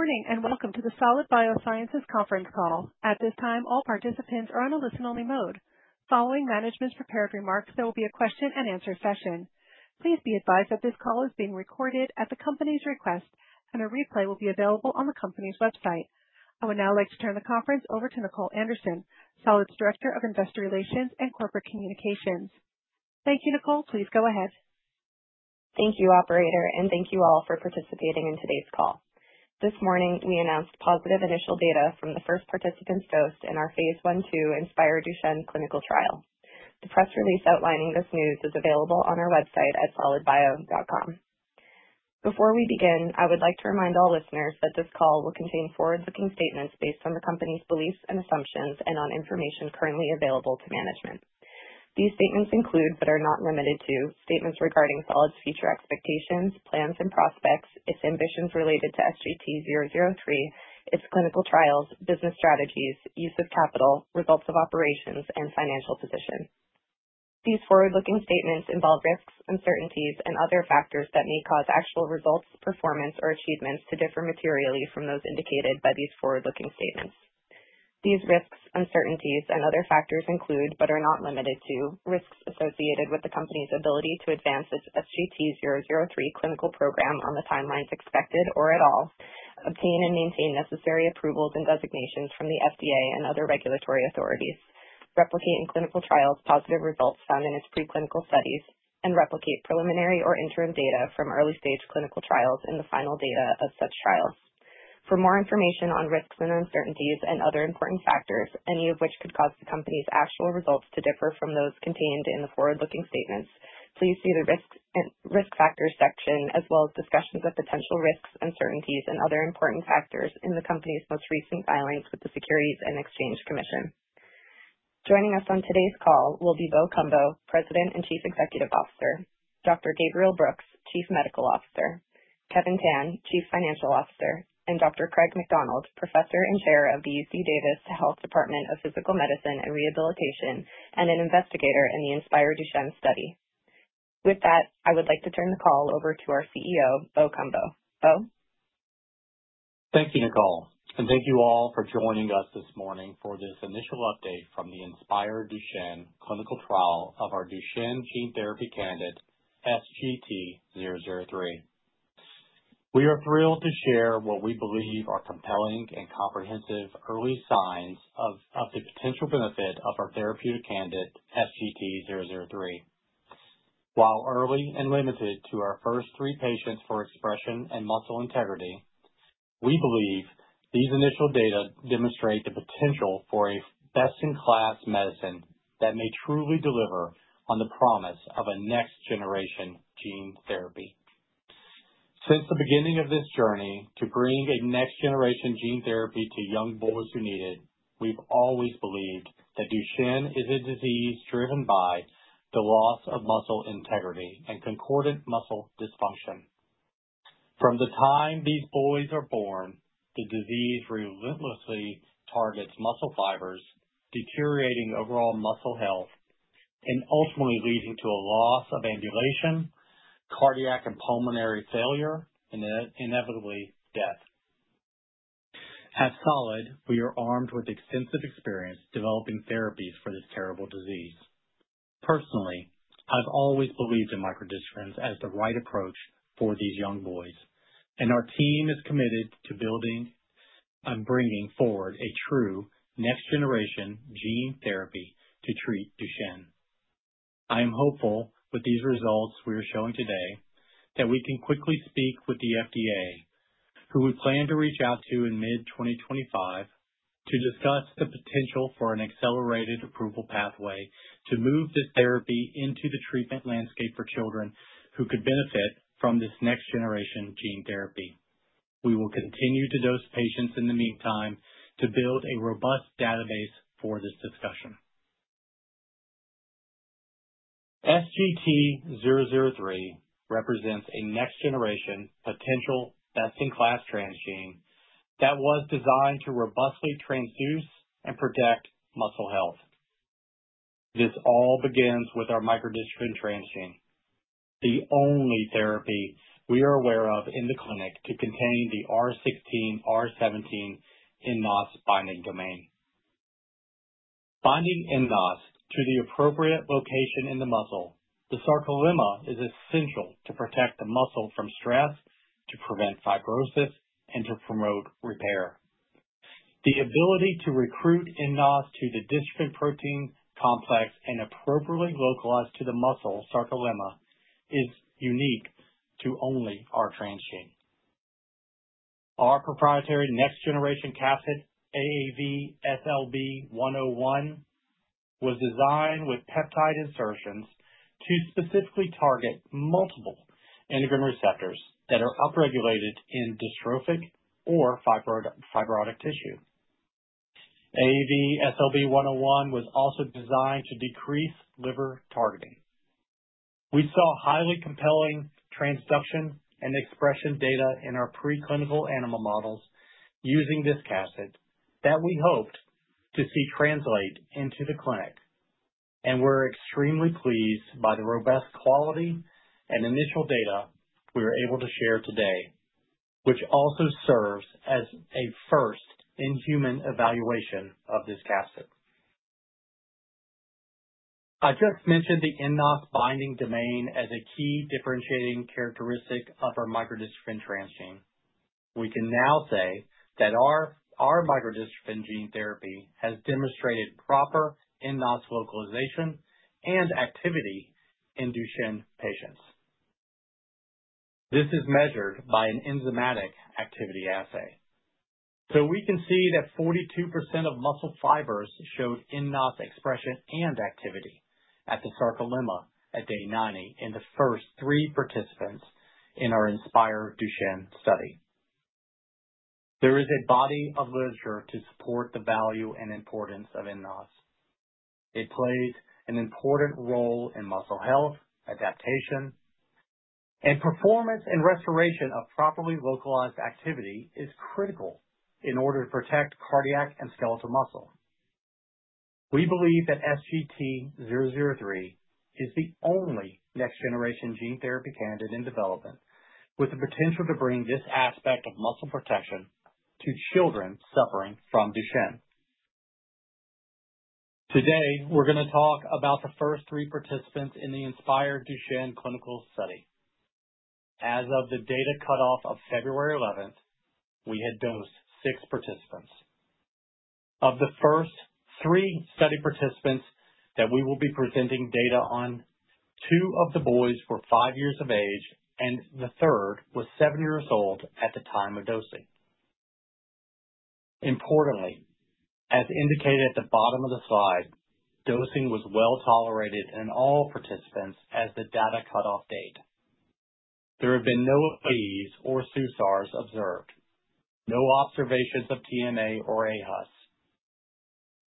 Good morning and welcome to the Solid Biosciences conference call. At this time, all participants are on a listen-only mode. Following management's prepared remarks, there will be a question-and-answer session. Please be advised that this call is being recorded at the company's request, and a replay will be available on the company's website. I would now like to turn the conference over to Nicole Anderson, Solid's Director of Investor Relations and Corporate Communications. Thank you, Nicole. Please go ahead. Thank you, Operator, and thank you all for participating in today's call. This morning, we announced positive initial data from the first participant's dose in our Phase 1/2 INSPIRE DUCHENNE clinical trial. The press release outlining this news is available on our website at solidbio.com. Before we begin, I would like to remind all listeners that this call will contain forward-looking statements based on the company's beliefs and assumptions and on information currently available to management. These statements include, but are not limited to, statements regarding Solid's future expectations, plans, and prospects, its ambitions related to SGT-003, its clinical trials, business strategies, use of capital, results of operations, and financial position. These forward-looking statements involve risks, uncertainties, and other factors that may cause actual results, performance, or achievements to differ materially from those indicated by these forward-looking statements. These risks, uncertainties, and other factors include, but are not limited to, risks associated with the company's ability to advance its SGT-003 clinical program on the timelines expected or at all, obtain and maintain necessary approvals and designations from the FDA and other regulatory authorities, replicate in clinical trials positive results found in its preclinical studies, and replicate preliminary or interim data from early-stage clinical trials in the final data of such trials. For more information on risks and uncertainties and other important factors, any of which could cause the company's actual results to differ from those contained in the forward-looking statements, please see the risk factors section, as well as discussions of potential risks, uncertainties, and other important factors in the company's most recent filings with the Securities and Exchange Commission. Joining us on today's call will be Bo Cumbo, President and Chief Executive Officer, Dr. Gabriel Brooks, Chief Medical Officer, Kevin Tan, Chief Financial Officer, and Dr. Craig McDonald, Professor and Chair of the UC Davis Health Department of Physical Medicine and Rehabilitation and an investigator in the INSPIRE DUCHENNE study. With that, I would like to turn the call over to our CEO, Bo Cumbo. Bo? Thank you, Nicole, and thank you all for joining us this morning for this initial update from the INSPIRE DUCHENNE clinical trial of our Duchenne gene therapy candidate, SGT-003. We are thrilled to share what we believe are compelling and comprehensive early signs of the potential benefit of our therapeutic candidate, SGT-003. While early and limited to our first three patients for expression and muscle integrity, we believe these initial data demonstrate the potential for a best-in-class medicine that may truly deliver on the promise of a next-generation gene therapy. Since the beginning of this journey to bring a next-generation gene therapy to young boys who need it, we've always believed that Duchenne is a disease driven by the loss of muscle integrity and concordant muscle dysfunction. From the time these boys are born, the disease relentlessly targets muscle fibers, deteriorating overall muscle health, and ultimately leading to a loss of ambulation, cardiac and pulmonary failure, and inevitably death. At Solid, we are armed with extensive experience developing therapies for this terrible disease. Personally, I've always believed in microdystrophin as the right approach for these young boys, and our team is committed to building and bringing forward a true next-generation gene therapy to treat Duchenne. I am hopeful with these results we are showing today that we can quickly speak with the FDA, who we plan to reach out to in mid-2025, to discuss the potential for an accelerated approval pathway to move this therapy into the treatment landscape for children who could benefit from this next-generation gene therapy. We will continue to dose patients in the meantime to build a robust database for this discussion. SGT-003 represents a next-generation potential best-in-class transgene that was designed to robustly transduce and protect muscle health. This all begins with our microdystrophin transgene, the only therapy we are aware of in the clinic to contain the R16, R17, and nNOS-binding domain. Binding nNOS to the appropriate location in the muscle, the sarcolemma, is essential to protect the muscle from stress, to prevent fibrosis, and to promote repair. The ability to recruit nNOS to the dystrophin protein complex and appropriately localize to the muscle sarcolemma is unique to only our transgene. Our proprietary next-generation capsid AAV-SLB101 was designed with peptide insertions to specifically target multiple integrin receptors that are upregulated in dystrophic or fibrotic tissue. AAV-SLB101 was also designed to decrease liver targeting. We saw highly compelling transduction and expression data in our preclinical animal models using this capsid that we hoped to see translate into the clinic, and we're extremely pleased by the robust quality and initial data we were able to share today, which also serves as a first-in-human evaluation of this capsid. I just mentioned the nNOS-binding domain as a key differentiating characteristic of our microdystrophin transgene. We can now say that our microdystrophin gene therapy has demonstrated proper nNOS localization and activity in Duchenne patients. This is measured by an enzymatic activity assay, so we can see that 42% of muscle fibers showed nNOS expression and activity at the sarcolemma at Day 90 in the first three participants in our INSPIRE DUCHENNE study. There is a body of literature to support the value and importance of NOS. It plays an important role in muscle health, adaptation, and performance and restoration of properly localized activity is critical in order to protect cardiac and skeletal muscle. We believe that SGT-003 is the only next-generation gene therapy candidate in development with the potential to bring this aspect of muscle protection to children suffering from Duchenne. Today, we're going to talk about the first three participants in the INSPIRE DUCHENNE clinical study. As of the data cutoff of February 11th, we had dosed six participants. Of the first three study participants that we will be presenting data on, two of the boys were five years of age, and the third was seven years old at the time of dosing. Importantly, as indicated at the bottom of the slide, dosing was well tolerated in all participants as of the data cutoff date. There have been no AEs or SAEs observed. No observations of TMA or aHUS.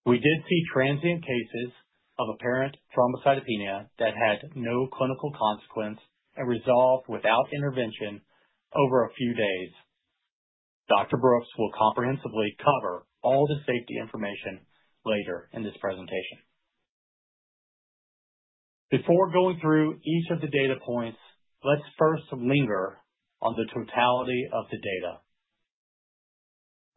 We did see transient cases of apparent thrombocytopenia that had no clinical consequence and resolved without intervention over a few days. Dr. Brooks will comprehensively cover all the safety information later in this presentation. Before going through each of the data points, let's first linger on the totality of the data.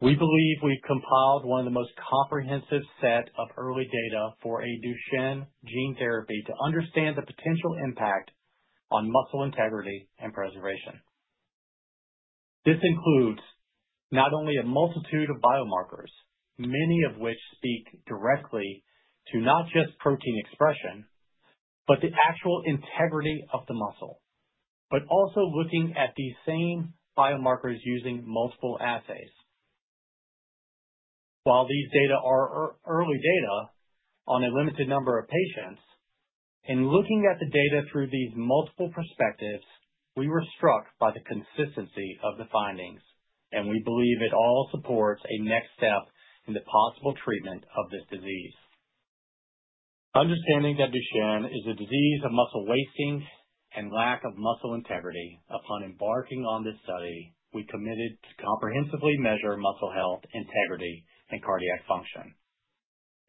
We believe we've compiled one of the most comprehensive sets of early data for a Duchenne gene therapy to understand the potential impact on muscle integrity and preservation. This includes not only a multitude of biomarkers, many of which speak directly to not just protein expression, but the actual integrity of the muscle, but also looking at these same biomarkers using multiple assays. While these data are early data on a limited number of patients, in looking at the data through these multiple perspectives, we were struck by the consistency of the findings, and we believe it all supports a next step in the possible treatment of this disease. Understanding that Duchenne is a disease of muscle wasting and lack of muscle integrity, upon embarking on this study, we committed to comprehensively measure muscle health, integrity, and cardiac function,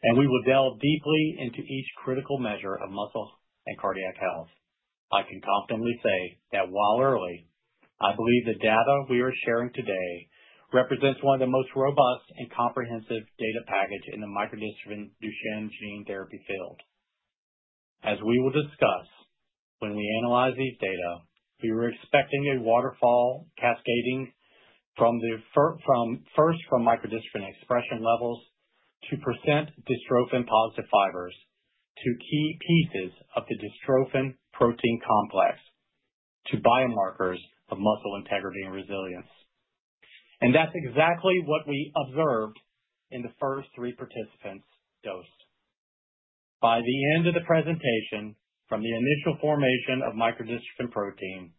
and we will delve deeply into each critical measure of muscle and cardiac health. I can confidently say that while early, I believe the data we are sharing today represents one of the most robust and comprehensive data packages in the microdystrophin Duchenne gene therapy field. As we will discuss, when we analyze these data, we were expecting a waterfall cascading first from microdystrophin expression levels to percent dystrophin-positive fibers to key pieces of the dystrophin protein complex to biomarkers of muscle integrity and resilience. That's exactly what we observed in the first three participants dosed. By the end of the presentation, from the initial formation of microdystrophin protein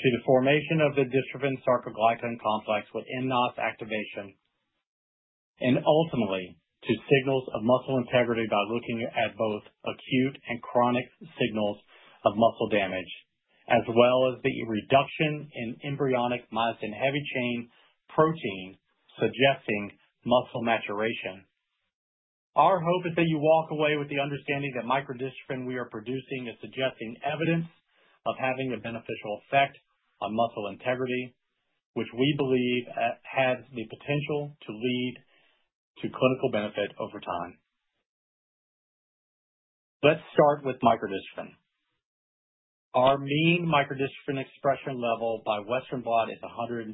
to the formation of the dystrophin-sarcoglycan complex with nNOS activation, and ultimately to signals of muscle integrity by looking at both acute and chronic signals of muscle damage, as well as the reduction in embryonic myosin heavy chain protein suggesting muscle maturation. Our hope is that you walk away with the understanding that microdystrophin we are producing is suggesting evidence of having a beneficial effect on muscle integrity, which we believe has the potential to lead to clinical benefit over time. Let's start with microdystrophin. Our mean microdystrophin expression level by Western blot is 110%,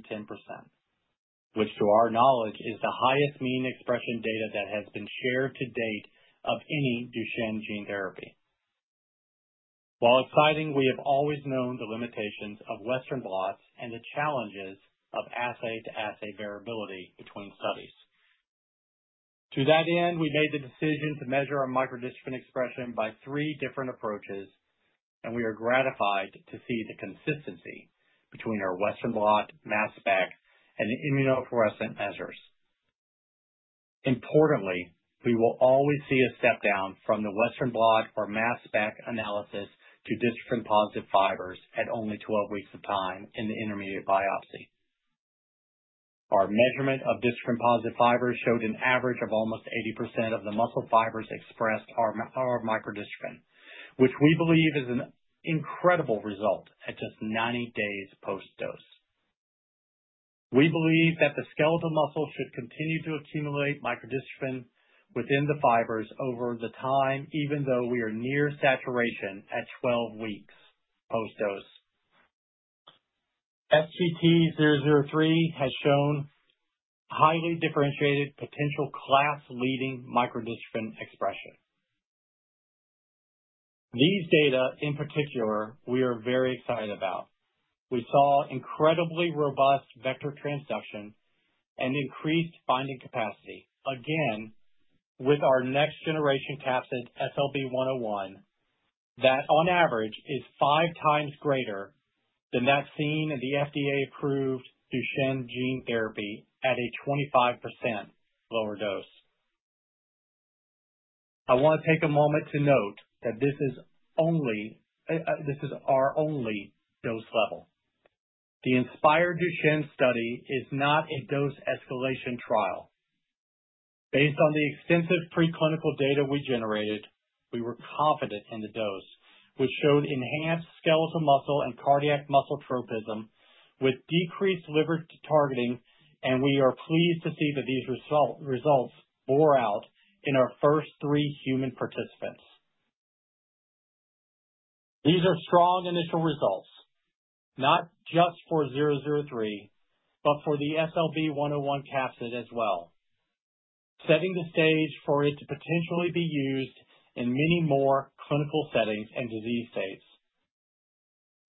which to our knowledge is the highest mean expression data that has been shared to date of any Duchenne gene therapy. While exciting, we have always known the limitations of Western blots and the challenges of assay-to-assay variability between studies. To that end, we made the decision to measure our microdystrophin expression by three different approaches, and we are gratified to see the consistency between our Western blot, mass spec, and immunofluorescent measures. Importantly, we will always see a step down from the Western blot or mass spec analysis to dystrophin-positive fibers at only 12 weeks of time in the intermediate biopsy. Our measurement of dystrophin-positive fibers showed an average of almost 80% of the muscle fibers expressed are microdystrophin, which we believe is an incredible result at just 90 days post-dose. We believe that the skeletal muscle should continue to accumulate microdystrophin within the fibers over the time, even though we are near saturation at 12 weeks post-dose. SGT-003 has shown highly differentiated potential class-leading microdystrophin expression. These data, in particular, we are very excited about. We saw incredibly robust vector transduction and increased binding capacity, again, with our next-generation capsid SLB101 that on average is five times greater than that seen in the FDA-approved Duchenne gene therapy at a 25% lower dose. I want to take a moment to note that this is our only dose level. The INSPIRE DUCHENNE study is not a dose escalation trial. Based on the extensive preclinical data we generated, we were confident in the dose, which showed enhanced skeletal muscle and cardiac muscle tropism with decreased liver targeting, and we are pleased to see that these results bore out in our first three human participants. These are strong initial results, not just for 003, but for the SLB101 capsid as well, setting the stage for it to potentially be used in many more clinical settings and disease states.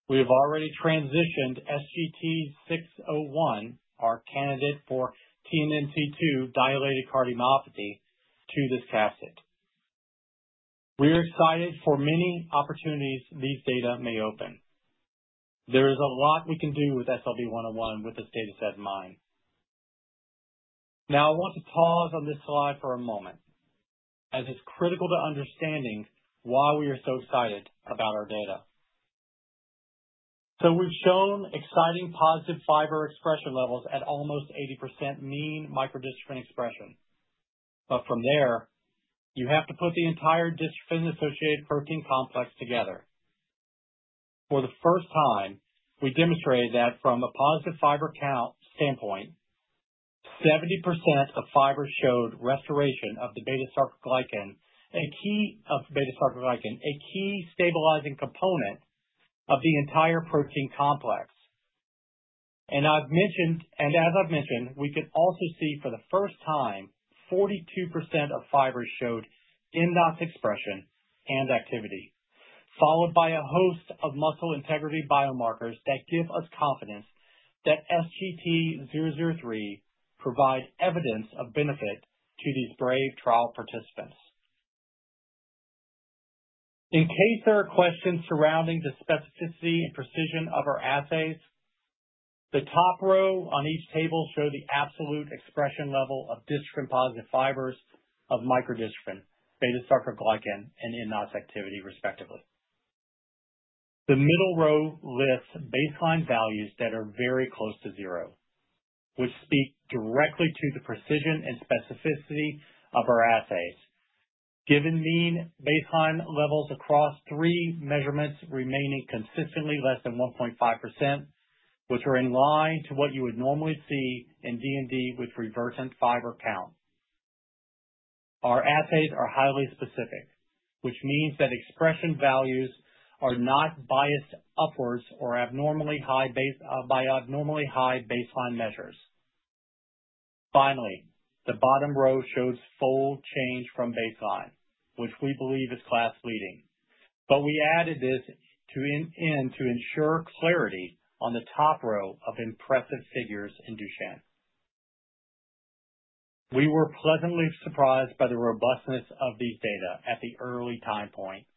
We have already transitioned SGT-601, our candidate for TNNT2 dilated cardiomyopathy, to this capsid. We are excited for many opportunities these data may open. There is a lot we can do with SLB101 with this dataset in mind. Now, I want to pause on this slide for a moment, as it's critical to understanding why we are so excited about our data. We've shown exciting positive fiber expression levels at almost 80% mean microdystrophin expression. But from there, you have to put the entire dystrophin-associated protein complex together. For the first time, we demonstrated that from a positive fiber count standpoint, 70% of fibers showed restoration of the beta-sarcoglycan, a key stabilizing component of the entire protein complex. And as I've mentioned, we could also see for the first time 42% of fibers showed nNOS expression and activity, followed by a host of muscle integrity biomarkers that give us confidence that SGT-003 provides evidence of benefit to these brave trial participants. In case there are questions surrounding the specificity and precision of our assays, the top row on each table shows the absolute expression level of dystrophin-positive fibers of microdystrophin, beta-sarcoglycan, and nNOS activity, respectively. The middle row lists baseline values that are very close to zero, which speak directly to the precision and specificity of our assays. Given mean baseline levels across three measurements remaining consistently less than 1.5%, which are in line to what you would normally see in DMD with revertant fiber count, our assays are highly specific, which means that expression values are not biased upwards or abnormally high baseline measures. Finally, the bottom row shows fold change from baseline, which we believe is class-leading. But we added this in to ensure clarity on the top row of impressive figures in DMD. We were pleasantly surprised by the robustness of these data at the early time point.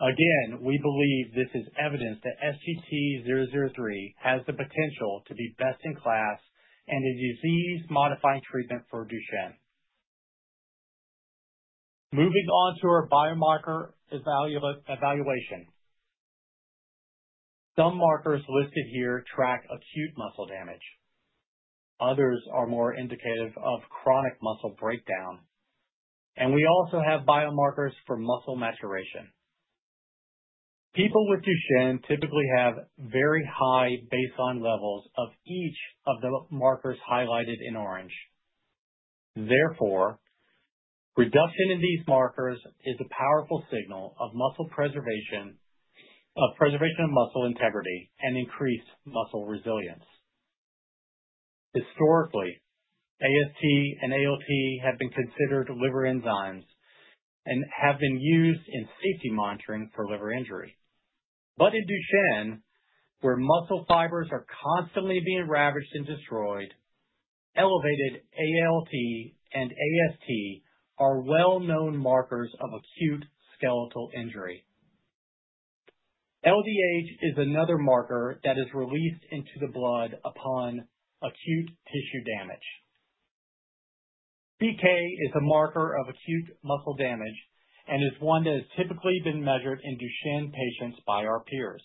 Again, we believe this is evidence that SGT-003 has the potential to be best in class and a disease-modifying treatment for DMD. Moving on to our biomarker evaluation. Some markers listed here track acute muscle damage. Others are more indicative of chronic muscle breakdown, and we also have biomarkers for muscle maturation. People with Duchenne typically have very high baseline levels of each of the markers highlighted in orange. Therefore, reduction in these markers is a powerful signal of muscle preservation, of preservation of muscle integrity, and increased muscle resilience. Historically, AST and ALT have been considered liver enzymes and have been used in safety monitoring for liver injury, but in Duchenne, where muscle fibers are constantly being ravaged and destroyed, elevated ALT and AST are well-known markers of acute skeletal injury. LDH is another marker that is released into the blood upon acute tissue damage. CK is a marker of acute muscle damage and is one that has typically been measured in Duchenne patients by our peers.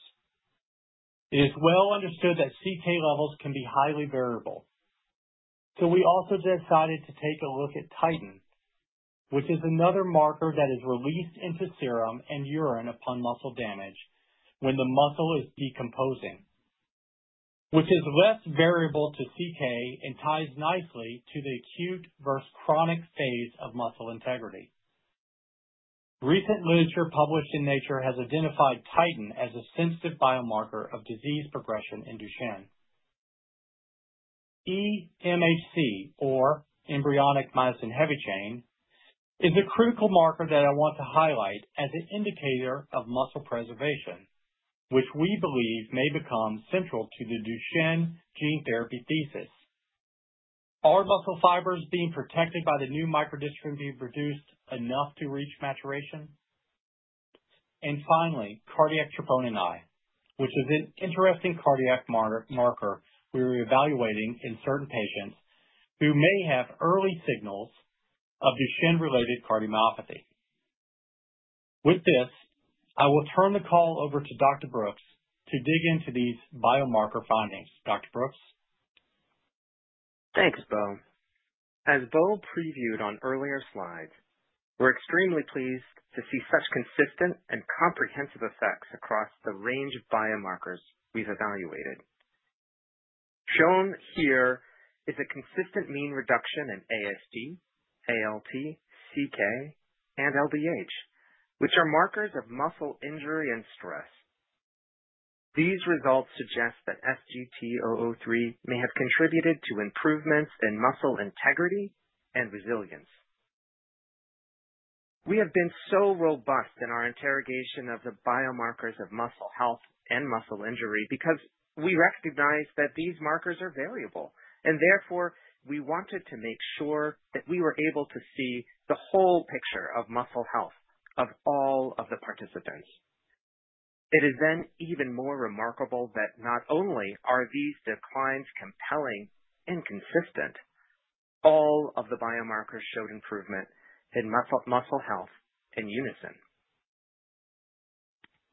It is well understood that CK levels can be highly variable. So we also decided to take a look at titin, which is another marker that is released into serum and urine upon muscle damage when the muscle is decomposing, which is less variable to CK and ties nicely to the acute versus chronic phase of muscle integrity. Recent literature published in Nature has identified titin as a sensitive biomarker of disease progression in Duchenne. eMHC, or embryonic myosin heavy chain, is a critical marker that I want to highlight as an indicator of muscle preservation, which we believe may become central to the Duchenne gene therapy thesis. Are muscle fibers being protected by the new microdystrophin being produced enough to reach maturation? And finally, cardiac troponin I, which is an interesting cardiac marker we are evaluating in certain patients who may have early signals of Duchenne-related cardiomyopathy. With this, I will turn the call over to Dr. Brooks to dig into these biomarker findings. Dr. Brooks? Thanks, Bo. As Bo previewed on earlier slides, we're extremely pleased to see such consistent and comprehensive effects across the range of biomarkers we've evaluated. Shown here is a consistent mean reduction in AST, ALT, CK, and LDH, which are markers of muscle injury and stress. These results suggest that SGT-003 may have contributed to improvements in muscle integrity and resilience. We have been so robust in our interrogation of the biomarkers of muscle health and muscle injury because we recognize that these markers are variable, and therefore, we wanted to make sure that we were able to see the whole picture of muscle health of all of the participants. It is then even more remarkable that not only are these declines compelling and consistent, all of the biomarkers showed improvement in muscle health in unison.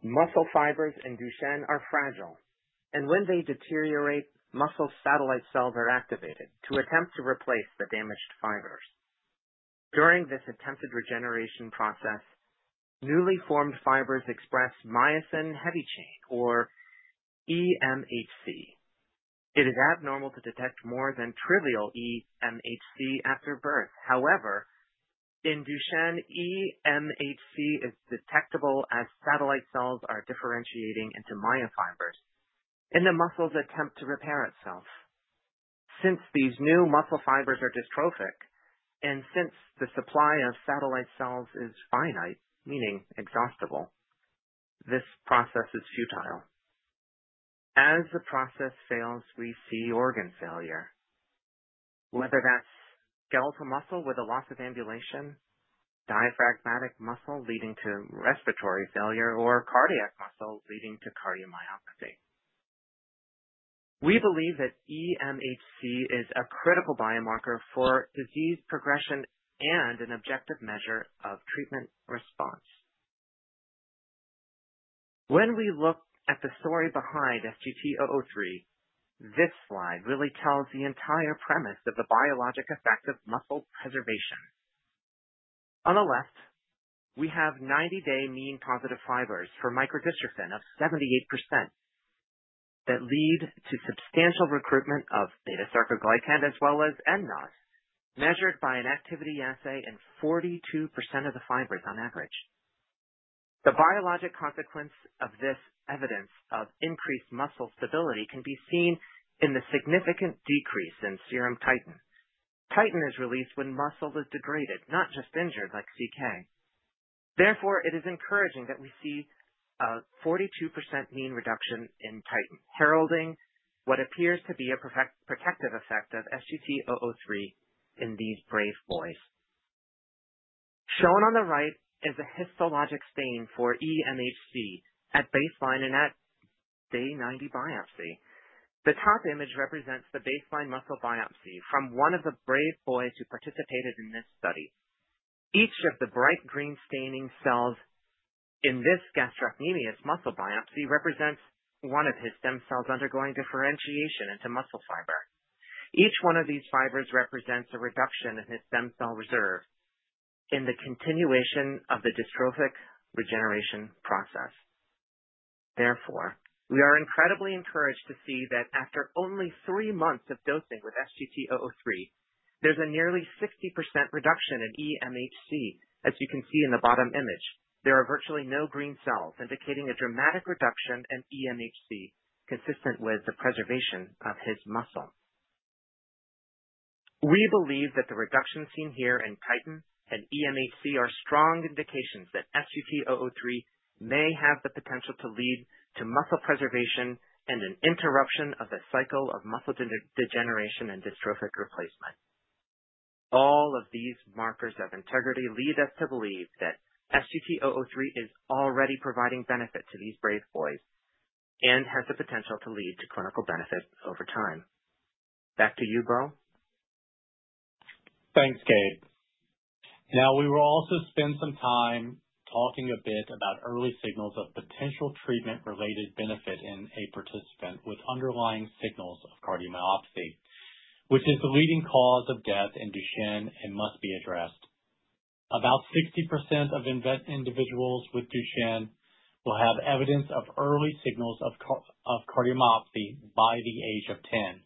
Muscle fibers in Duchenne are fragile, and when they deteriorate, muscle satellite cells are activated to attempt to replace the damaged fibers. During this attempted regeneration process, newly formed fibers express myosin heavy chain, or eMHC. It is abnormal to detect more than trivial eMHC after birth. However, in Duchenne, eMHC is detectable as satellite cells are differentiating into myofibers in the muscle's attempt to repair itself. Since these new muscle fibers are dystrophic and since the supply of satellite cells is finite, meaning exhaustible, this process is futile. As the process fails, we see organ failure, whether that's skeletal muscle with a loss of ambulation, diaphragmatic muscle leading to respiratory failure, or cardiac muscle leading to cardiomyopathy. We believe that eMHC is a critical biomarker for disease progression and an objective measure of treatment response. When we look at the story behind SGT-003, this slide really tells the entire premise of the biologic effect of muscle preservation. On the left, we have 90-day mean positive fibers for microdystrophin of 78% that lead to substantial recruitment of beta-sarcoglycan as well as nNOS, measured by an activity assay in 42% of the fibers on average. The biologic consequence of this evidence of increased muscle stability can be seen in the significant decrease in serum titin. Titin is released when muscle is degraded, not just injured like CK. Therefore, it is encouraging that we see a 42% mean reduction in titin, heralding what appears to be a protective effect of SGT-003 in these brave boys. Shown on the right is a histologic stain for eMHC at baseline and at day 90 biopsy. The top image represents the baseline muscle biopsy from one of the brave boys who participated in this study. Each of the bright green staining cells in this gastrocnemius muscle biopsy represents one of his stem cells undergoing differentiation into muscle fiber. Each one of these fibers represents a reduction in his stem cell reserve in the continuation of the dystrophic regeneration process. Therefore, we are incredibly encouraged to see that after only three months of dosing with SGT-003, there's a nearly 60% reduction in eMHC. As you can see in the bottom image, there are virtually no green cells indicating a dramatic reduction in eMHC consistent with the preservation of his muscle. We believe that the reduction seen here in titin and eMHC are strong indications that SGT-003 may have the potential to lead to muscle preservation and an interruption of the cycle of muscle degeneration and dystrophic replacement. All of these markers of integrity lead us to believe that SGT-003 is already providing benefit to these brave boys and has the potential to lead to clinical benefit over time. Back to you, Bo. Thanks, Gabe. Now, we will also spend some time talking a bit about early signals of potential treatment-related benefit in a participant with underlying signals of cardiomyopathy, which is the leading cause of death in Duchenne and must be addressed. About 60% of individuals with Duchenne will have evidence of early signals of cardiomyopathy by the age of 10,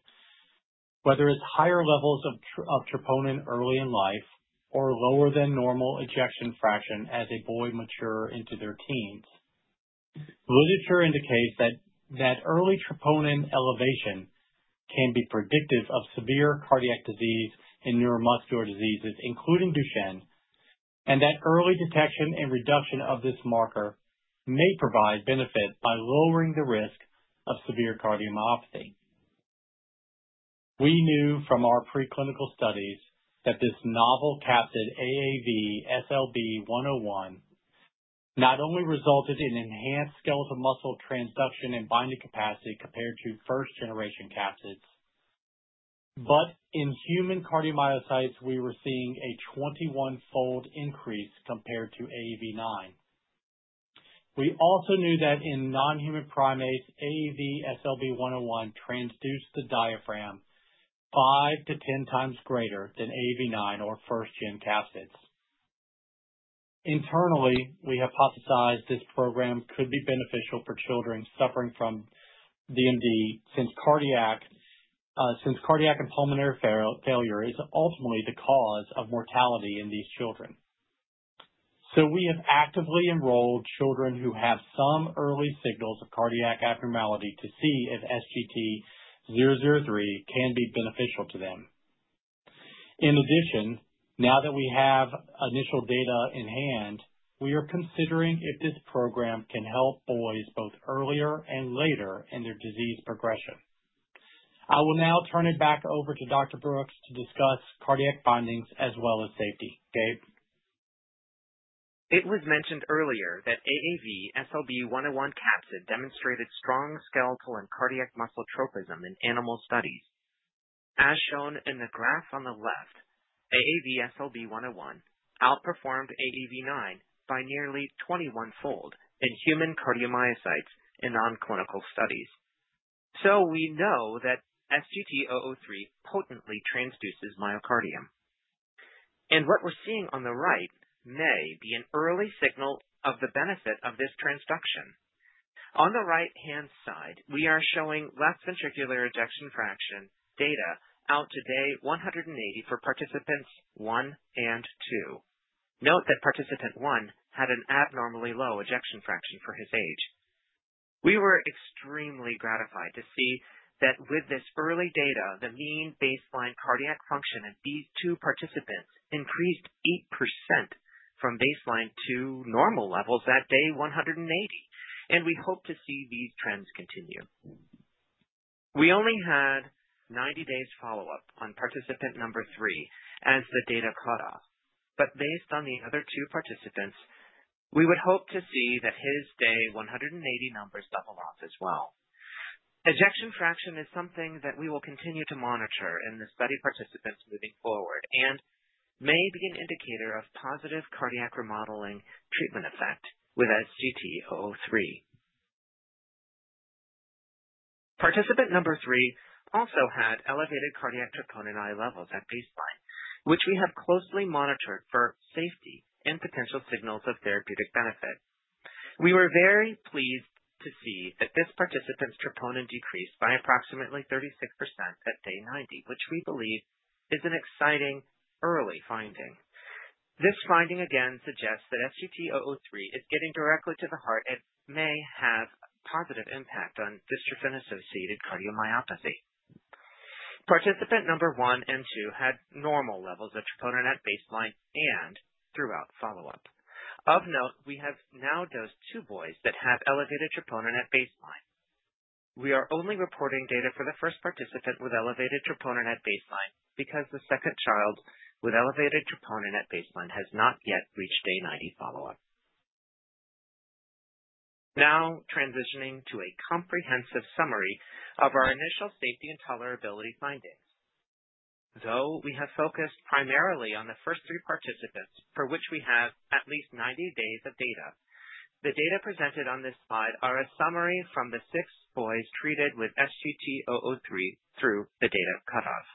whether it's higher levels of troponin early in life or lower than normal ejection fraction as a boy matures into their teens. Literature indicates that early troponin elevation can be predictive of severe cardiac disease and neuromuscular diseases, including Duchenne, and that early detection and reduction of this marker may provide benefit by lowering the risk of severe cardiomyopathy. We knew from our preclinical studies that this novel capsid AAV-SLB101 not only resulted in enhanced skeletal muscle transduction and binding capacity compared to first-generation capsids, but in human cardiomyocytes, we were seeing a 21-fold increase compared to AAV9. We also knew that in non-human primates, AAV-SLB101 transduced the diaphragm 5 to 10 times greater than AAV9 or first-gen capsids. Internally, we hypothesized this program could be beneficial for children suffering from DMD since cardiac and pulmonary failure is ultimately the cause of mortality in these children. So we have actively enrolled children who have some early signals of cardiac abnormality to see if SGT-003 can be beneficial to them. In addition, now that we have initial data in hand, we are considering if this program can help boys both earlier and later in their disease progression. I will now turn it back over to Dr. Brooks to discuss cardiac findings as well as safety. It was mentioned earlier that AAV-SLB101 capsid demonstrated strong skeletal and cardiac muscle tropism in animal studies. As shown in the graph on the left, AAV-SLB101 outperformed AAV9 by nearly 21-fold in human cardiomyocytes in non-clinical studies. So we know that SGT-003 potently transduces myocardium. What we're seeing on the right may be an early signal of the benefit of this transduction. On the right-hand side, we are showing left ventricular ejection fraction data out to day 180 for participants one and two. Note that participant one had an abnormally low ejection fraction for his age. We were extremely gratified to see that with this early data, the mean baseline cardiac function of these two participants increased 8% from baseline to normal levels at day 180. We hope to see these trends continue. We only had 90 days follow-up on participant number three as the data caught up. Based on the other two participants, we would hope to see that his day 180 numbers double off as well. Ejection fraction is something that we will continue to monitor in the study participants moving forward and may be an indicator of positive cardiac remodeling treatment effect with SGT-003. Participant number three also had elevated cardiac troponin I levels at baseline, which we have closely monitored for safety and potential signals of therapeutic benefit. We were very pleased to see that this participant's troponin decreased by approximately 36% at day 90, which we believe is an exciting early finding. This finding again suggests that SGT-003 is getting directly to the heart and may have a positive impact on dystrophin-associated cardiomyopathy. Participant number one and two had normal levels of troponin at baseline and throughout follow-up. Of note, we have now dosed two boys that have elevated troponin at baseline. We are only reporting data for the first participant with elevated troponin at baseline because the second child with elevated troponin at baseline has not yet reached day 90 follow-up. Now transitioning to a comprehensive summary of our initial safety and tolerability findings. Though we have focused primarily on the first three participants, for which we have at least 90 days of data, the data presented on this slide are a summary from the six boys treated with SGT-003 through the data cutoff.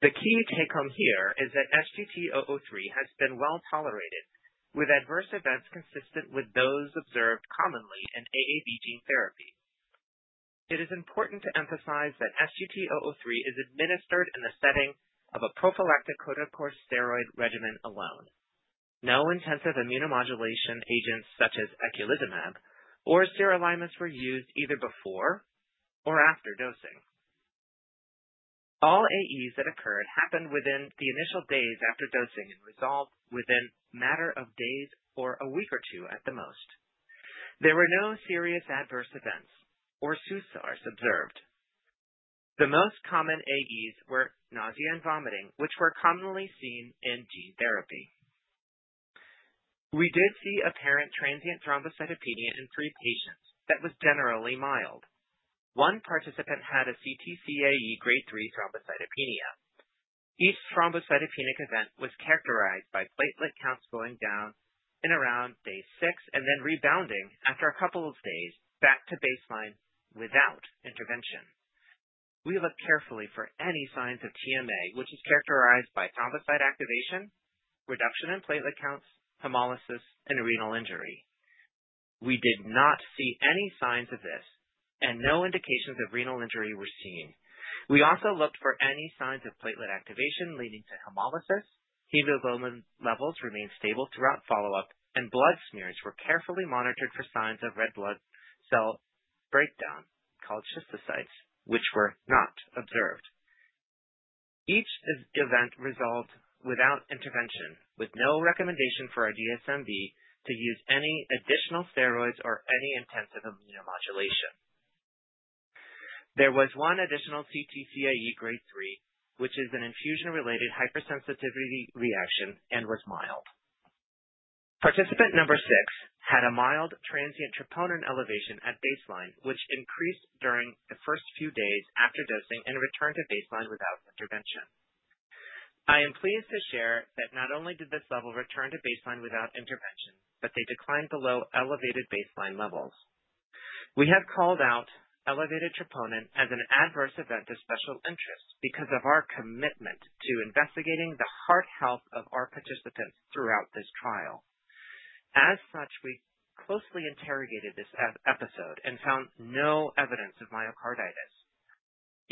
The key take home here is that SGT-003 has been well tolerated with adverse events consistent with those observed commonly in AAV gene therapy. It is important to emphasize that SGT-003 is administered in the setting of a prophylactic corticosteroid regimen alone. No intensive immunomodulation agents such as eculizumab or sirolimus were used either before or after dosing. All AEs that occurred happened within the initial days after dosing and resolved within a matter of days or a week or two at the most. There were no serious adverse events or SAEs observed. The most common AEs were nausea and vomiting, which were commonly seen in gene therapy. We did see apparent transient thrombocytopenia in three patients that was generally mild. One participant had CTCAE Grade 3 thrombocytopenia. Each thrombocytopenic event was characterized by platelet counts going down in around day six and then rebounding after a couple of days back to baseline without intervention. We looked carefully for any signs of TMA, which is characterized by thrombocyte activation, reduction in platelet counts, hemolysis, and renal injury. We did not see any signs of this, and no indications of renal injury were seen. We also looked for any signs of platelet activation leading to hemolysis. Hemoglobin levels remained stable throughout follow-up, and blood smears were carefully monitored for signs of red blood cell breakdown called schistocytes, which were not observed. Each event resolved without intervention, with no recommendation for our DSMB to use any additional steroids or any intensive immunomodulation. There was one additional CTCAE Grade 3, which is an infusion-related hypersensitivity reaction and was mild. Participant number six had a mild transient troponin elevation at baseline, which increased during the first few days after dosing and returned to baseline without intervention. I am pleased to share that not only did this level return to baseline without intervention, but they declined below elevated baseline levels. We have called out elevated troponin as an adverse event of special interest because of our commitment to investigating the heart health of our participants throughout this trial. As such, we closely interrogated this episode and found no evidence of myocarditis,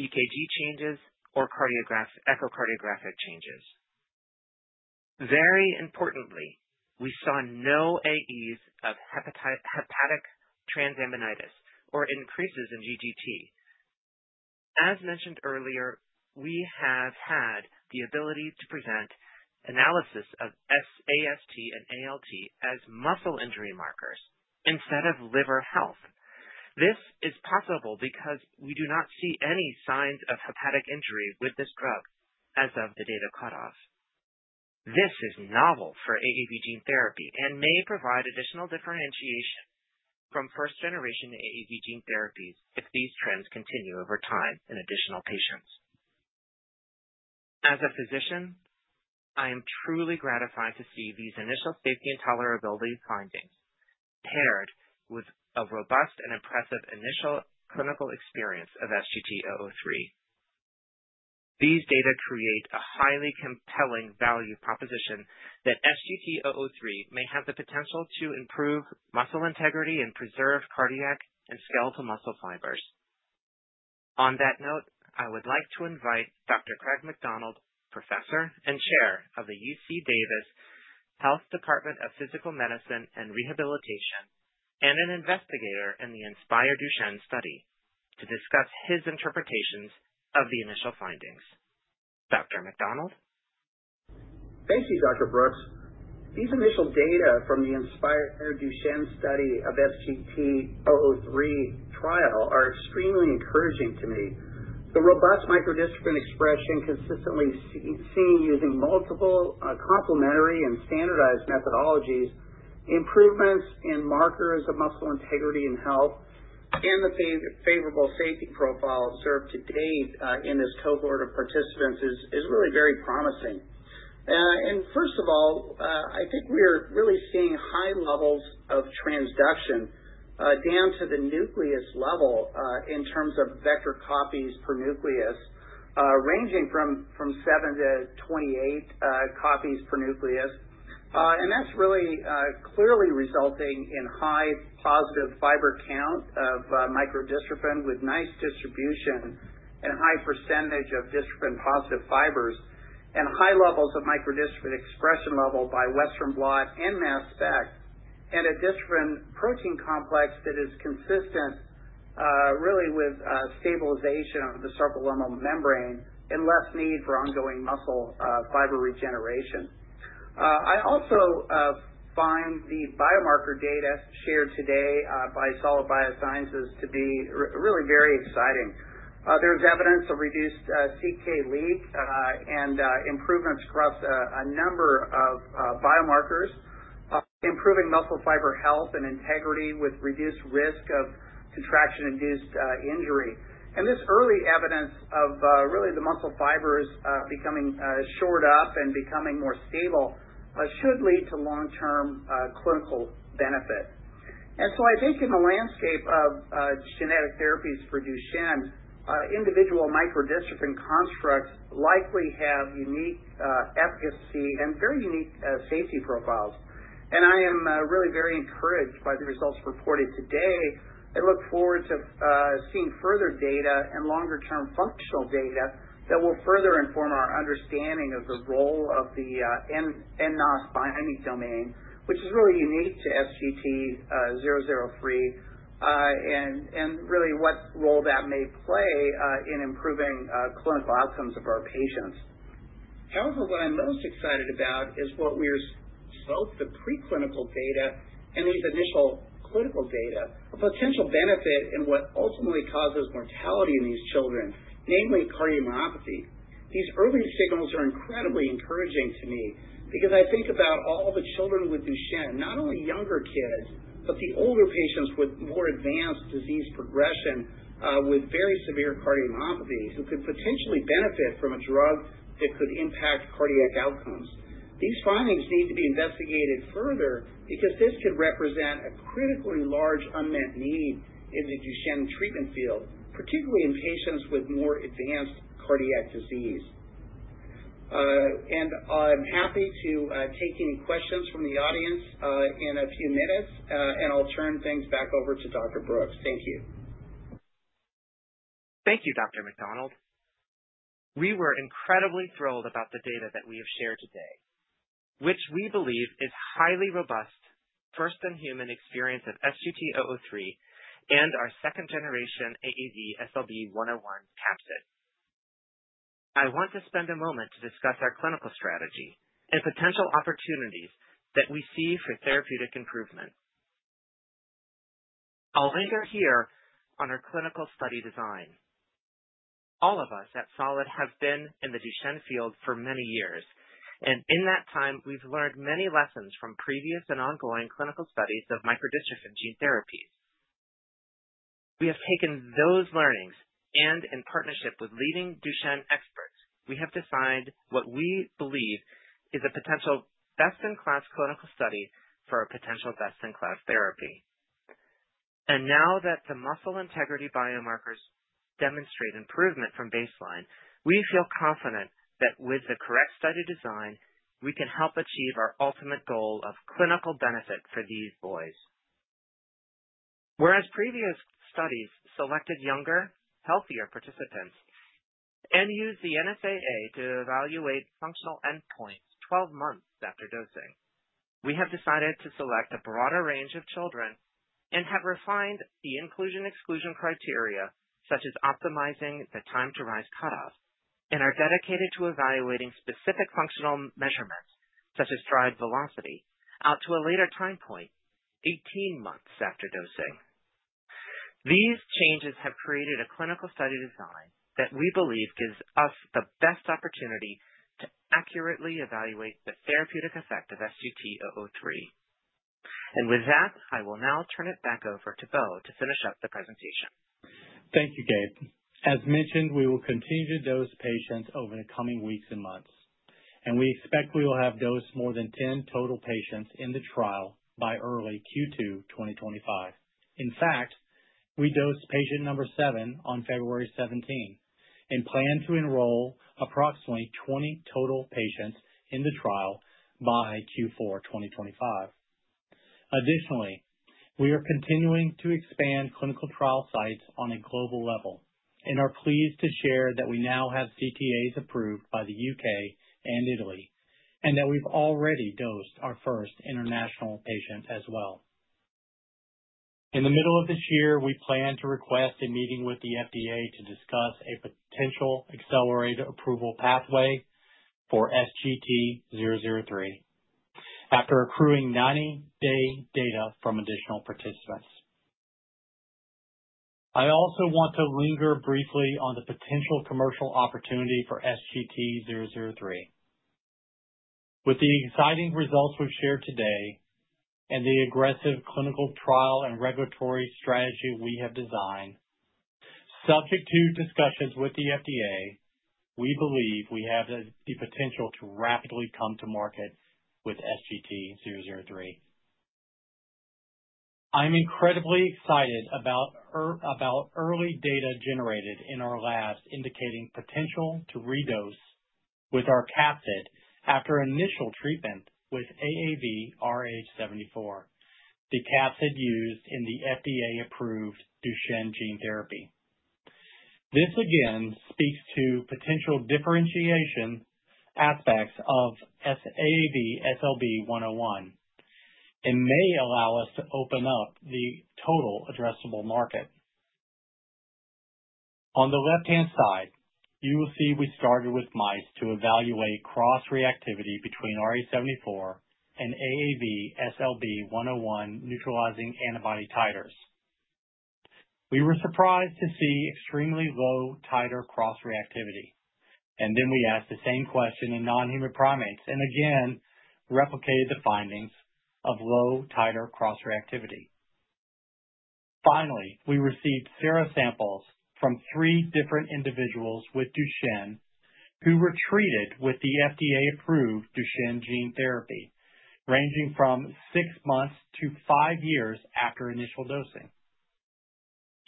EKG changes, or echocardiographic changes. Very importantly, we saw no AEs of hepatic transaminitis or increases in GGT. As mentioned earlier, we have had the ability to present analysis of AST and ALT as muscle injury markers instead of liver health. This is possible because we do not see any signs of hepatic injury with this drug as of the data cutoff. This is novel for AAV gene therapy and may provide additional differentiation from first-generation AAV gene therapies if these trends continue over time in additional patients. As a physician, I am truly gratified to see these initial safety and tolerability findings paired with a robust and impressive initial clinical experience of SGT-003. These data create a highly compelling value proposition that SGT-003 may have the potential to improve muscle integrity and preserve cardiac and skeletal muscle fibers. On that note, I would like to invite Dr. Craig McDonald, Professor and Chair of the UC Davis Health Department of Physical Medicine and Rehabilitation and an investigator in the INSPIRE DUCHENNE study, to discuss his interpretations of the initial findings. Dr. McDonald. Thank you, Dr. Brooks. These initial data from the INSPIRE DUCHENNE study of SGT-003 trial are extremely encouraging to me. The robust microdystrophin expression consistently seen using multiple complementary and standardized methodologies, improvements in markers of muscle integrity and health, and the favorable safety profile observed to date in this cohort of participants is really very promising. First of all, I think we are really seeing high levels of transduction down to the nucleus level in terms of vector copies per nucleus, ranging from 7 to 28 copies per nucleus. That's really clearly resulting in high positive fiber count of microdystrophin with nice distribution and high percentage of dystrophin-positive fibers and high levels of microdystrophin expression level by Western blot and mass spec and a dystrophin protein complex that is consistent really with stabilization of the sarcolemmal membrane and less need for ongoing muscle fiber regeneration. I also find the biomarker data shared today by Solid Biosciences to be really very exciting. There's evidence of reduced CK leak and improvements across a number of biomarkers, improving muscle fiber health and integrity with reduced risk of contraction-induced injury. This early evidence of really the muscle fibers becoming shored up and becoming more stable should lead to long-term clinical benefit. So I think in the landscape of genetic therapies for Duchenne, individual microdystrophin constructs likely have unique efficacy and very unique safety profiles. I am really very encouraged by the results reported today. I look forward to seeing further data and longer-term functional data that will further inform our understanding of the role of the nNOS-binding domain, which is really unique to SGT-003 and really what role that may play in improving clinical outcomes of our patients. However, what I'm most excited about is what we are both the preclinical data and these initial clinical data, a potential benefit in what ultimately causes mortality in these children, namely cardiomyopathy. These early signals are incredibly encouraging to me because I think about all the children with Duchenne, not only younger kids, but the older patients with more advanced disease progression with very severe cardiomyopathy who could potentially benefit from a drug that could impact cardiac outcomes. These findings need to be investigated further because this could represent a critically large unmet need in the Duchenne treatment field, particularly in patients with more advanced cardiac disease. And I'm happy to take any questions from the audience in a few minutes, and I'll turn things back over to Dr. Brooks. Thank you. Thank you, Dr. McDonald. We were incredibly thrilled about the data that we have shared today, which we believe is highly robust first-in-human experience of SGT-003 and our second-generation AAV-SLB101 capsid. I want to spend a moment to discuss our clinical strategy and potential opportunities that we see for therapeutic improvement. I'll linger here on our clinical study design. All of us at Solid have been in the Duchenne field for many years, and in that time, we've learned many lessons from previous and ongoing clinical studies of microdystrophin gene therapies. We have taken those learnings, and in partnership with leading Duchenne experts, we have defined what we believe is a potential best-in-class clinical study for a potential best-in-class therapy, and now that the muscle integrity biomarkers demonstrate improvement from baseline, we feel confident that with the correct study design, we can help achieve our ultimate goal of clinical benefit for these boys. Whereas previous studies selected younger, healthier participants and used the NSAA to evaluate functional endpoints 12 months after dosing, we have decided to select a broader range of children and have refined the inclusion-exclusion criteria, such as optimizing the time-to-rise cutoff, and are dedicated to evaluating specific functional measurements, such as stride velocity, out to a later time point, 18 months after dosing. These changes have created a clinical study design that we believe gives us the best opportunity to accurately evaluate the therapeutic effect of SGT-003, and with that, I will now turn it back over to Bo to finish up the presentation. Thank you, Gabe. As mentioned, we will continue to dose patients over the coming weeks and months, and we expect we will have dosed more than 10 total patients in the trial by early Q2 2025. In fact, we dosed patient number seven on February 17 and plan to enroll approximately 20 total patients in the trial by Q4 2025. Additionally, we are continuing to expand clinical trial sites on a global level and are pleased to share that we now have CTAs approved by the U.K. and Italy and that we've already dosed our first international patient as well. In the middle of this year, we plan to request a meeting with the FDA to discuss a potential accelerated approval pathway for SGT-003 after accruing 90-day data from additional participants. I also want to linger briefly on the potential commercial opportunity for SGT-003. With the exciting results we've shared today and the aggressive clinical trial and regulatory strategy we have designed, subject to discussions with the FDA, we believe we have the potential to rapidly come to market with SGT-003. I'm incredibly excited about early data generated in our labs indicating potential to redose with our capsid after initial treatment with AAVrh74, the capsid used in the FDA-approved Duchenne gene therapy. This again speaks to potential differentiation aspects of AAV-SLB101 and may allow us to open up the total addressable market. On the left-hand side, you will see we started with mice to evaluate cross-reactivity between rh74 and AAV-SLB101 neutralizing antibody titers. We were surprised to see extremely low titer cross-reactivity, and then we asked the same question in non-human primates and again replicated the findings of low titer cross-reactivity. Finally, we received serum samples from three different individuals with Duchenne who were treated with the FDA-approved Duchenne gene therapy, ranging from six months to five years after initial dosing.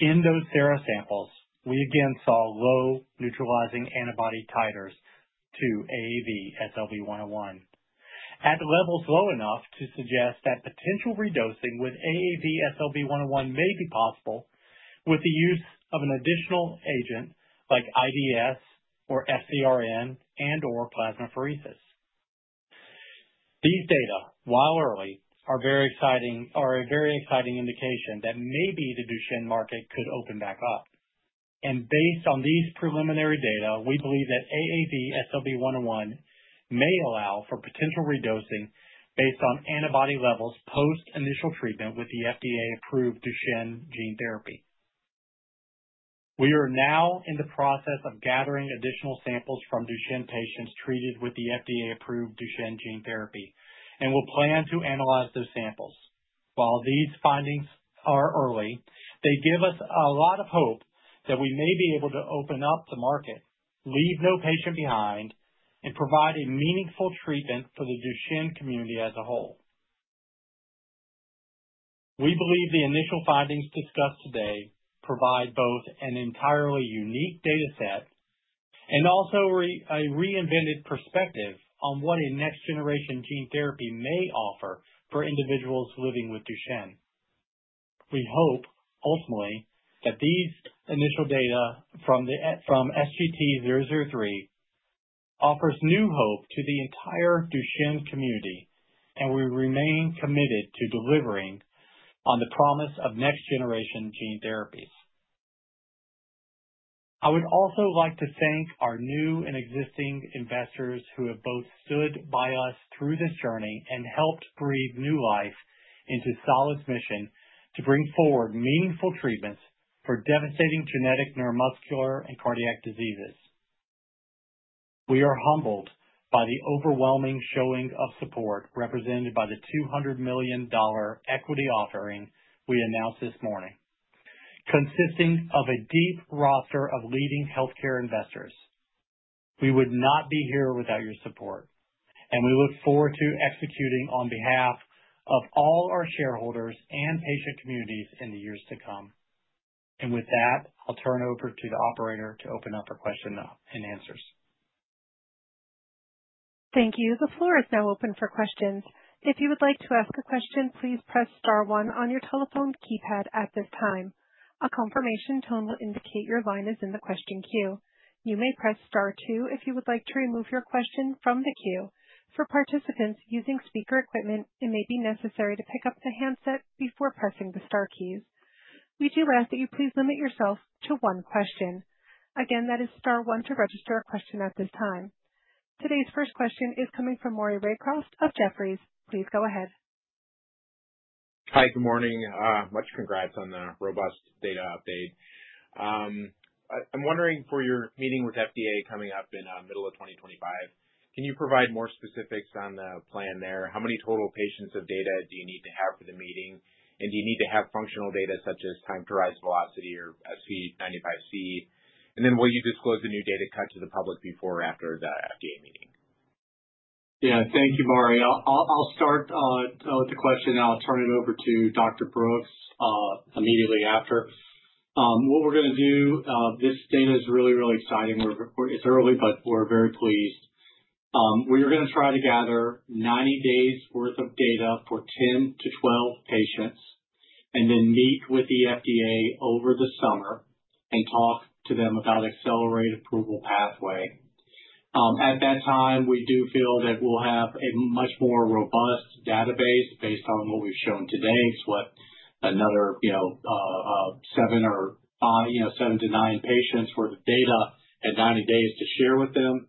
In those serum samples, we again saw low neutralizing antibody titers to AAV-SLB101 at levels low enough to suggest that potential redosing with AAV-SLB101 may be possible with the use of an additional agent like IdeS or FcRn and/or plasmapheresis. These data, while early, are a very exciting indication that maybe the Duchenne market could open back up, and based on these preliminary data, we believe that AAV-SLB101 may allow for potential redosing based on antibody levels post-initial treatment with the FDA-approved Duchenne gene therapy. We are now in the process of gathering additional samples from Duchenne patients treated with the FDA-approved Duchenne gene therapy and will plan to analyze those samples. While these findings are early, they give us a lot of hope that we may be able to open up the market, leave no patient behind, and provide a meaningful treatment for the Duchenne community as a whole. We believe the initial findings discussed today provide both an entirely unique data set and also a reinvented perspective on what a next-generation gene therapy may offer for individuals living with Duchenne. We hope, ultimately, that these initial data from SGT-003 offers new hope to the entire Duchenne community, and we remain committed to delivering on the promise of next-generation gene therapies. I would also like to thank our new and existing investors who have both stood by us through this journey and helped breathe new life into Solid's mission to bring forward meaningful treatments for devastating genetic neuromuscular and cardiac diseases. We are humbled by the overwhelming showing of support represented by the $200 million equity offering we announced this morning, consisting of a deep roster of leading healthcare investors. We would not be here without your support, and we look forward to executing on behalf of all our shareholders and patient communities in the years to come. And with that, I'll turn it over to the operator to open up for questions and answers. Thank you. The floor is now open for questions. If you would like to ask a question, please press star one on your telephone keypad at this time. A confirmation tone will indicate your line is in the question queue. You may press star two if you would like to remove your question from the queue. For participants using speaker equipment, it may be necessary to pick up the handset before pressing the star keys. We do ask that you please limit yourself to one question. Again, that is star one to register a question at this time. Today's first question is coming from Maury Raycroft of Jefferies. Please go ahead. Hi, good morning. Much congrats on the robust data update. I'm wondering, for your meeting with FDA coming up in the middle of 2025, can you provide more specifics on the plan there? How many total patients of data do you need to have for the meeting? And do you need to have functional data such as time-to-rise velocity or SV95C? And then will you disclose the new data cut to the public before or after the FDA meeting? Yeah, thank you, Maury. I'll start with the question, and I'll turn it over to Dr. Brooks immediately after. What we're going to do, this data is really, really exciting. It's early, but we're very pleased. We are going to try to gather 90 days' worth of data for 10 to 12 patients and then meet with the FDA over the summer and talk to them about an accelerated approval pathway. At that time, we do feel that we'll have a much more robust database based on what we've shown today. It's what another seven or seven to nine patients worth of data and 90 days to share with them.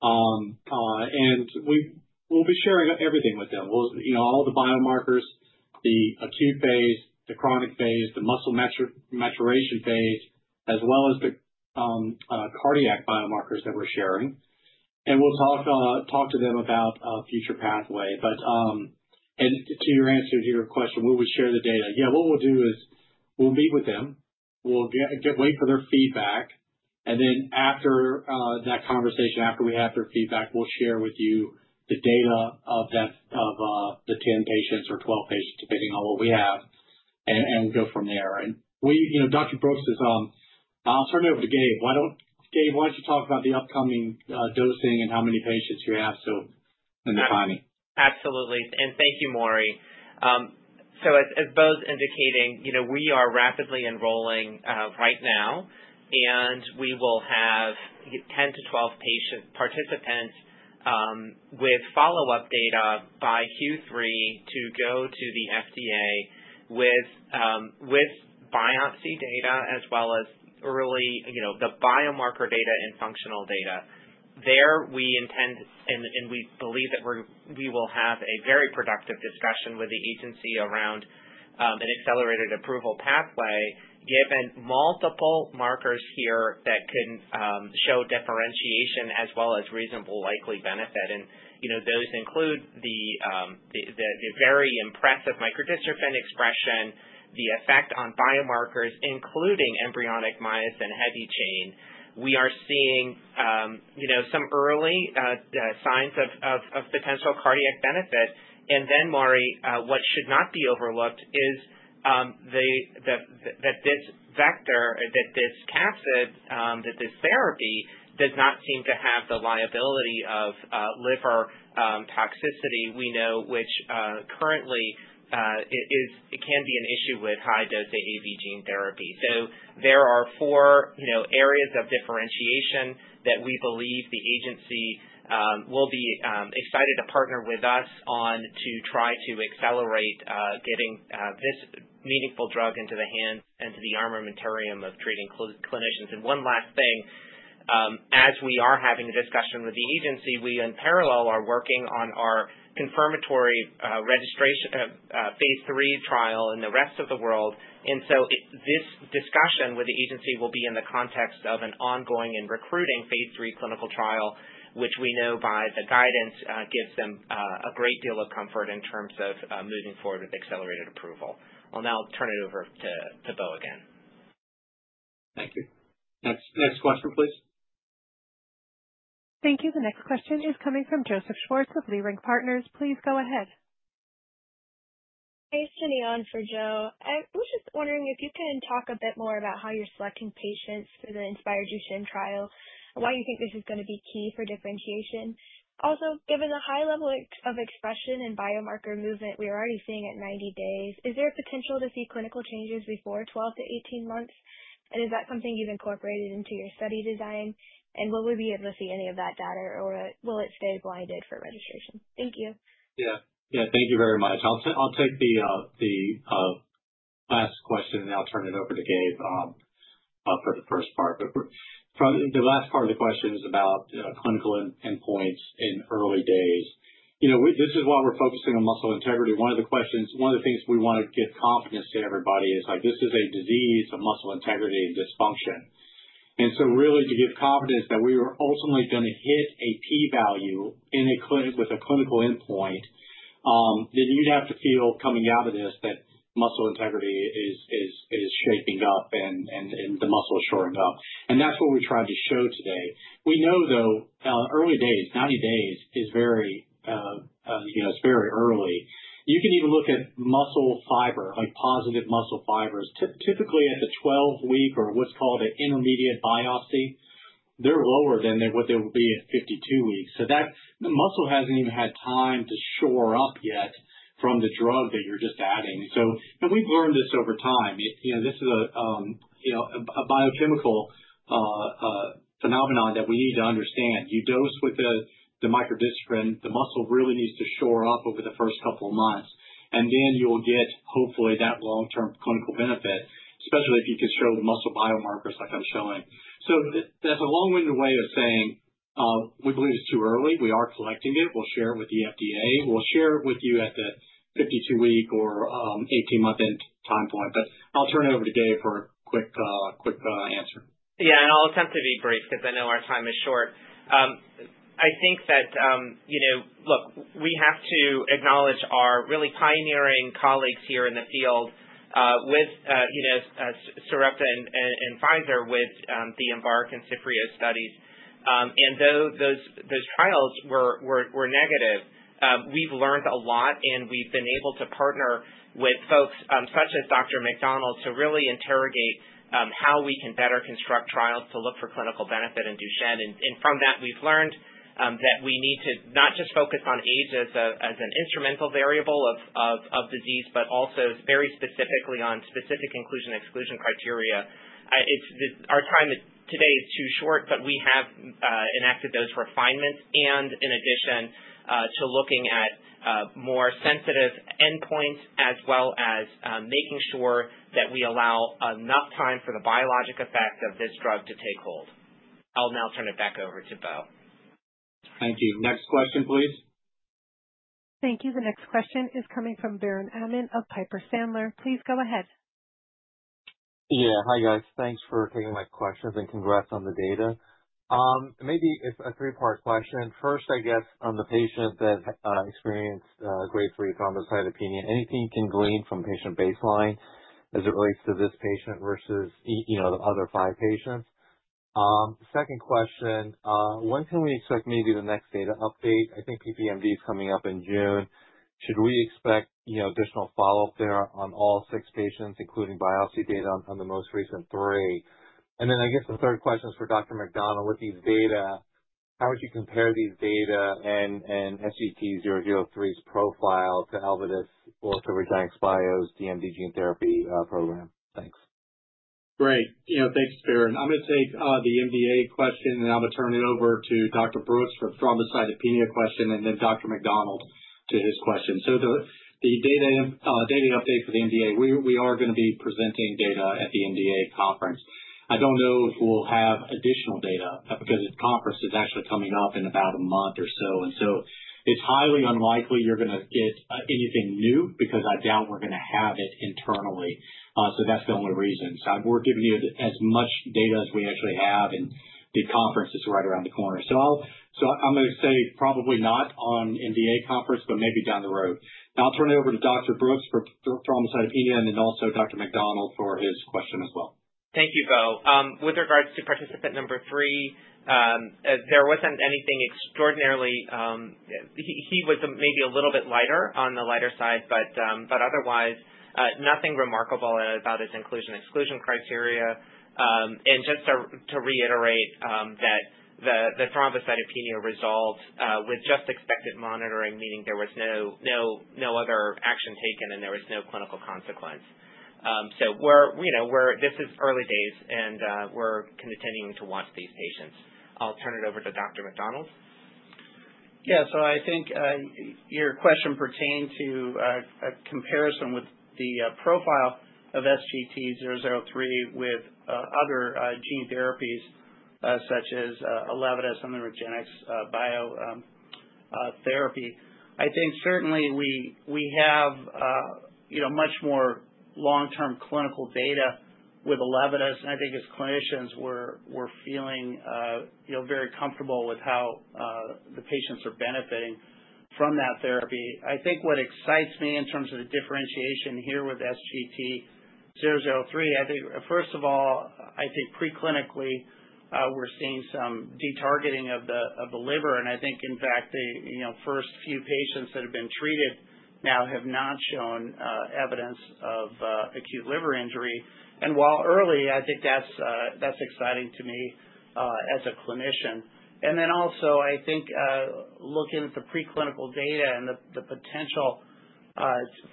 And we'll be sharing everything with them, all the biomarkers, the acute phase, the chronic phase, the muscle maturation phase, as well as the cardiac biomarkers that we're sharing. And we'll talk to them about a future pathway. And to your answer to your question, we will share the data. Yeah, what we'll do is we'll meet with them. We'll wait for their feedback. And then after that conversation, after we have their feedback, we'll share with you the data of the 10 patients or 12 patients, depending on what we have, and we'll go from there. And Dr. Brooks, I'll turn it over to Gabe. Gabe, why don't you talk about the upcoming dosing and how many patients you have and the timing? Absolutely. And thank you, Maury. So as Bo's indicating, we are rapidly enrolling right now, and we will have 10 to 12 participants with follow-up data by Q3 to go to the FDA with biopsy data as well as early biomarker data and functional data. There, we intend and we believe that we will have a very productive discussion with the agency around an accelerated approval pathway, given multiple markers here that can show differentiation as well as reasonable likely benefit. And those include the very impressive microdystrophin expression, the effect on biomarkers, including embryonic myosin heavy chain. We are seeing some early signs of potential cardiac benefit. And then, Maury, what should not be overlooked is that this vector, that this capsid, that this therapy does not seem to have the liability of liver toxicity, which currently can be an issue with high-dose AAV gene therapy. So there are four areas of differentiation that we believe the agency will be excited to partner with us on to try to accelerate getting this meaningful drug into the hands and to the armamentarium of treating clinicians. And one last thing, as we are having a discussion with the agency, we in parallel are working on our confirmatory phase three trial in the rest of the world. So this discussion with the agency will be in the context of an ongoing and recruiting Phase 3 clinical trial, which we know by the guidance gives them a great deal of comfort in terms of moving forward with accelerated approval. I'll now turn it over to Bo again. Thank you. Next question, please. Thank you. The next question is coming from Joseph Schwartz of Leerink Partners. Please go ahead. Hi, Jenny on for Joe. I was just wondering if you can talk a bit more about how you're selecting patients for the INSPIRE DUCHENNE trial and why you think this is going to be key for differentiation. Also, given the high level of expression and biomarker movement we are already seeing at 90 days, is there a potential to see clinical changes before 12-18 months? And is that something you've incorporated into your study design? Will we be able to see any of that data, or will it stay blinded for registration? Thank you. Yeah. Yeah, thank you very much. I'll take the last question, and then I'll turn it over to Gabe for the first part. The last part of the question is about clinical endpoints in early days. This is why we're focusing on muscle integrity. One of the questions, one of the things we want to give confidence to everybody is this is a disease of muscle integrity and dysfunction. And so really, to give confidence that we were ultimately going to hit a P value with a clinical endpoint, then you'd have to feel coming out of this that muscle integrity is shaping up and the muscle is shoring up. And that's what we're trying to show today. We know, though, early days, 90 days is very early. You can even look at muscle fiber, like positive muscle fibers. Typically, at the 12-week or what's called an intermediate biopsy, they're lower than what they will be at 52 weeks, so the muscle hasn't even had time to shore up yet from the drug that you're just adding, and we've learned this over time. This is a biochemical phenomenon that we need to understand. You dose with the microdystrophin, the muscle really needs to shore up over the first couple of months, and then you'll get, hopefully, that long-term clinical benefit, especially if you can show the muscle biomarkers like I'm showing, so that's a long-winded way of saying we believe it's too early. We are collecting it. We'll share it with the FDA. We'll share it with you at the 52-week or 18-month end time point, but I'll turn it over to Gabe for a quick answer. Yeah, and I'll attempt to be brief because I know our time is short. I think that, look, we have to acknowledge our really pioneering colleagues here in the field with Sarepta and Pfizer with the EMBARK and CIFFREO studies. And though those trials were negative, we've learned a lot, and we've been able to partner with folks such as Dr. McDonald to really interrogate how we can better construct trials to look for clinical benefit in Duchenne. And from that, we've learned that we need to not just focus on age as an instrumental variable of disease, but also very specifically on specific inclusion/exclusion criteria. Our time today is too short, but we have enacted those refinements and, in addition to looking at more sensitive endpoints as well as making sure that we allow enough time for the biologic effect of this drug to take hold. I'll now turn it back over to Bo. Thank you. Next question, please. Thank you. The next question is coming from Biren Amin of Piper Sandler. Please go ahead. Yeah. Hi, guys. Thanks for taking my questions and congrats on the data. Maybe it's a three-part question. First, I guess, on the patient that experienced grade 3 thrombocytopenia, anything you can glean from patient baseline as it relates to this patient versus the other five patients? Second question, when can we expect maybe the next data update? I think PPMD is coming up in June. Should we expect additional follow-up there on all six patients, including biopsy data on the most recent three? And then I guess the third question is for Dr. McDonald. With these data, how would you compare these data and SGT-003's profile to ELEVIDYS or to REGENXBIO's DMD gene therapy program? Thanks. Great. Thanks, Biren. I'm going to take the MDA question, and I'm going to turn it over to Dr. Brooks for the thrombocytopenia question, and then Dr. McDonald to his question. So the data update for the MDA, we are going to be presenting data at the MDA conference. I don't know if we'll have additional data because the conference is actually coming up in about a month or so. And so it's highly unlikely you're going to get anything new because I doubt we're going to have it internally. So that's the only reason. So we're giving you as much data as we actually have, and the conference is right around the corner. So I'm going to say probably not on MDA conference, but maybe down the road. I'll turn it over to Dr. Brooks for thrombocytopenia and then also Dr. McDonald for his question as well. Thank you, Bo. With regard to participant number three, there wasn't anything extraordinary. He was maybe a little bit lighter, on the lighter side, but otherwise, nothing remarkable about his inclusion/exclusion criteria. And just to reiterate that the thrombocytopenia resolved with just expected monitoring, meaning there was no other action taken and there was no clinical consequence. So this is early days, and we're continuing to watch these patients. I'll turn it over to Dr. McDonald. Yeah. So I think your question pertained to a comparison with the profile of SGT-003 with other gene therapies such as ELEVIDYS and the REGENXBIO therapy. I think certainly we have much more long-term clinical data with ELEVIDYS. And I think as clinicians, we're feeling very comfortable with how the patients are benefiting from that therapy. I think what excites me in terms of the differentiation here with SGT-003, I think, first of all, I think preclinically, we're seeing some detargeting of the liver. And I think, in fact, the first few patients that have been treated now have not shown evidence of acute liver injury. And while early, I think that's exciting to me as a clinician. And then also, I think looking at the preclinical data and the potential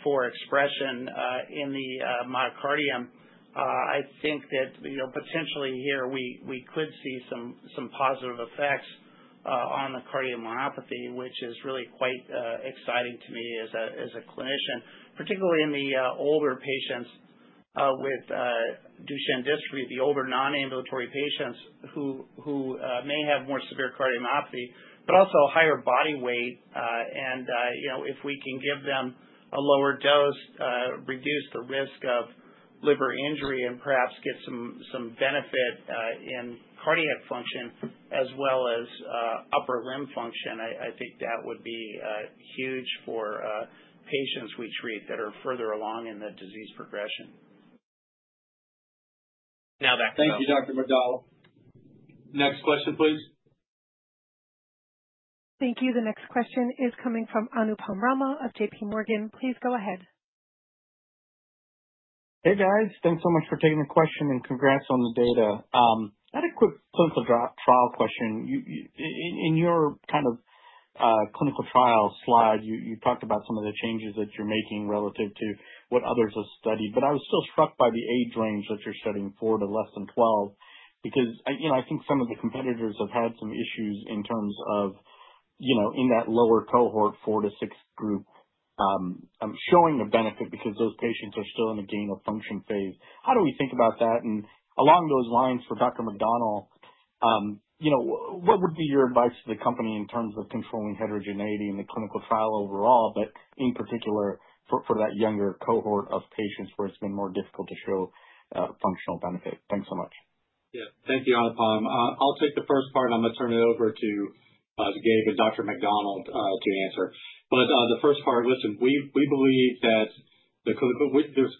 for expression in the myocardium, I think that potentially here we could see some positive effects on the cardiomyopathy, which is really quite exciting to me as a clinician, particularly in the older patients with Duchenne dystrophy, the older non-ambulatory patients who may have more severe cardiomyopathy, but also higher body weight. And if we can give them a lower dose, reduce the risk of liver injury, and perhaps get some benefit in cardiac function as well as upper limb function, I think that would be huge for patients we treat that are further along in the disease progression. Now back to Bo. Thank you, Dr. McDonald. Next question, please. Thank you. The next question is coming from Anupam Rama of J.P. Morgan. Please go ahead. Hey, guys. Thanks so much for taking the question and congrats on the data. I had a quick clinical trial question. In your kind of clinical trial slide, you talked about some of the changes that you're making relative to what others have studied. But I was still struck by the age range that you're studying, four to less than 12, because I think some of the competitors have had some issues in terms of in that lower cohort, four to six group, showing a benefit because those patients are still in the gain-of-function phase. How do we think about that? And along those lines, for Dr. McDonald, what would be your advice to the company in terms of controlling heterogeneity in the clinical trial overall, but in particular for that younger cohort of patients where it's been more difficult to show functional benefit? Thanks so much. Yeah. Thank you, Anupam. I'll take the first part. I'm going to turn it over to Gabe and Dr. McDonald to answer. But the first part, listen, we believe that the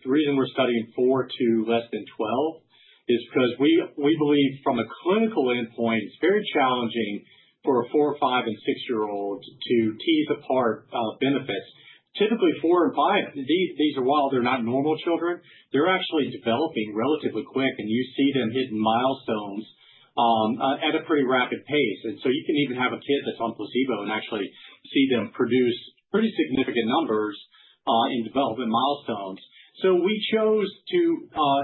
reason we're studying four to less than 12 is because we believe from a clinical endpoint, it's very challenging for a four, five, and six-year-old to tease apart benefits. Typically, four and five, these are while they're not normal children, they're actually developing relatively quick, and you see them hitting milestones at a pretty rapid pace. And so you can even have a kid that's on placebo and actually see them produce pretty significant numbers in development milestones. So we chose to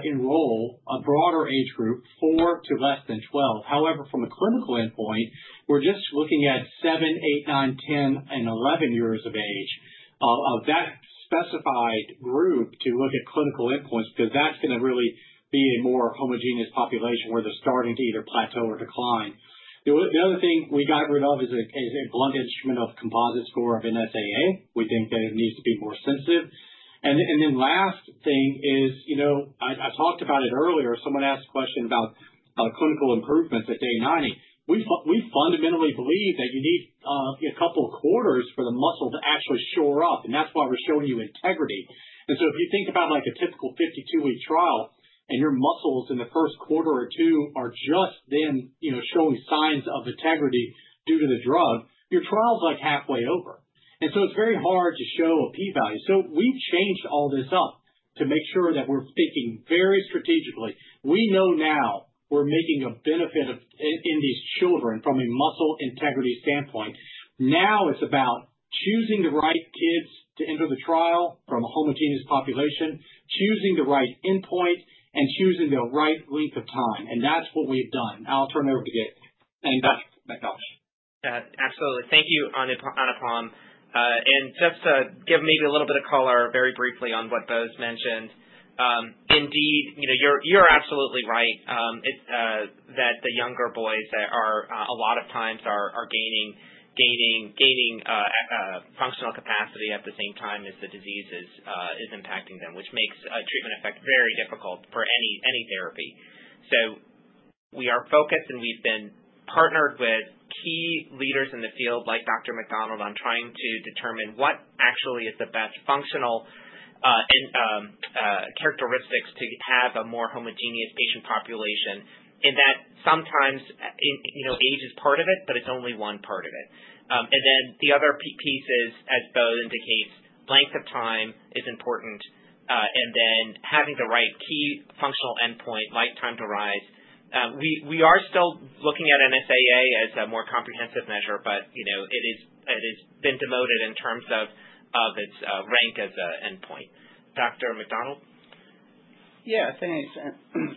enroll a broader age group, four to less than 12. However, from a clinical endpoint, we're just looking at seven, eight, nine, 10, and 11 years of age of that specified group to look at clinical endpoints because that's going to really be a more homogeneous population where they're starting to either plateau or decline. The other thing we got rid of is a blunt instrument of composite score of NSAA. We think that it needs to be more sensitive, and then last thing is I talked about it earlier. Someone asked a question about clinical improvements at day 90. We fundamentally believe that you need a couple of quarters for the muscle to actually shore up, and that's why we're showing you integrity. And so if you think about a typical 52-week trial and your muscles in the first quarter or two are just then showing signs of integrity due to the drug, your trial's like halfway over. And so it's very hard to show a P value. So we've changed all this up to make sure that we're thinking very strategically. We know now we're making a benefit in these children from a muscle integrity standpoint. Now it's about choosing the right kids to enter the trial from a homogeneous population, choosing the right endpoint, and choosing the right length of time. That's what we've done. I'll turn it over to Gabe and Dr. McDonald. Yeah. Absolutely. Thank you, Anupam. Just to give maybe a little bit of color very briefly on what Bo's mentioned, indeed, you're absolutely right that the younger boys are a lot of times gaining functional capacity at the same time as the disease is impacting them, which makes treatment effect very difficult for any therapy. We are focused, and we've been partnered with key leaders in the field like Dr. McDonald on trying to determine what actually is the best functional characteristics to have a more homogeneous patient population and that sometimes age is part of it, but it's only one part of it. And then the other piece is, as Bo indicates, length of time is important, and then having the right key functional endpoint, like time to rise. We are still looking at NSAA as a more comprehensive measure, but it has been demoted in terms of its rank as an endpoint. Dr. McDonald? Yeah. Thanks.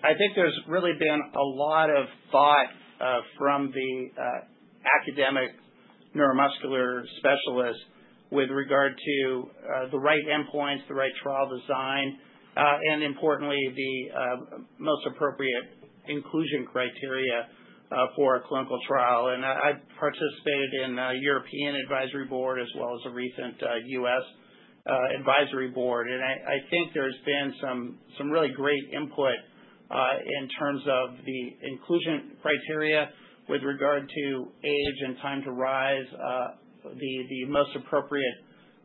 I think there's really been a lot of thought from the academic neuromuscular specialists with regard to the right endpoints, the right trial design, and importantly, the most appropriate inclusion criteria for a clinical trial. And I participated in a European advisory board as well as a recent U.S. advisory board. And I think there's been some really great input in terms of the inclusion criteria with regard to age and time to rise, the most appropriate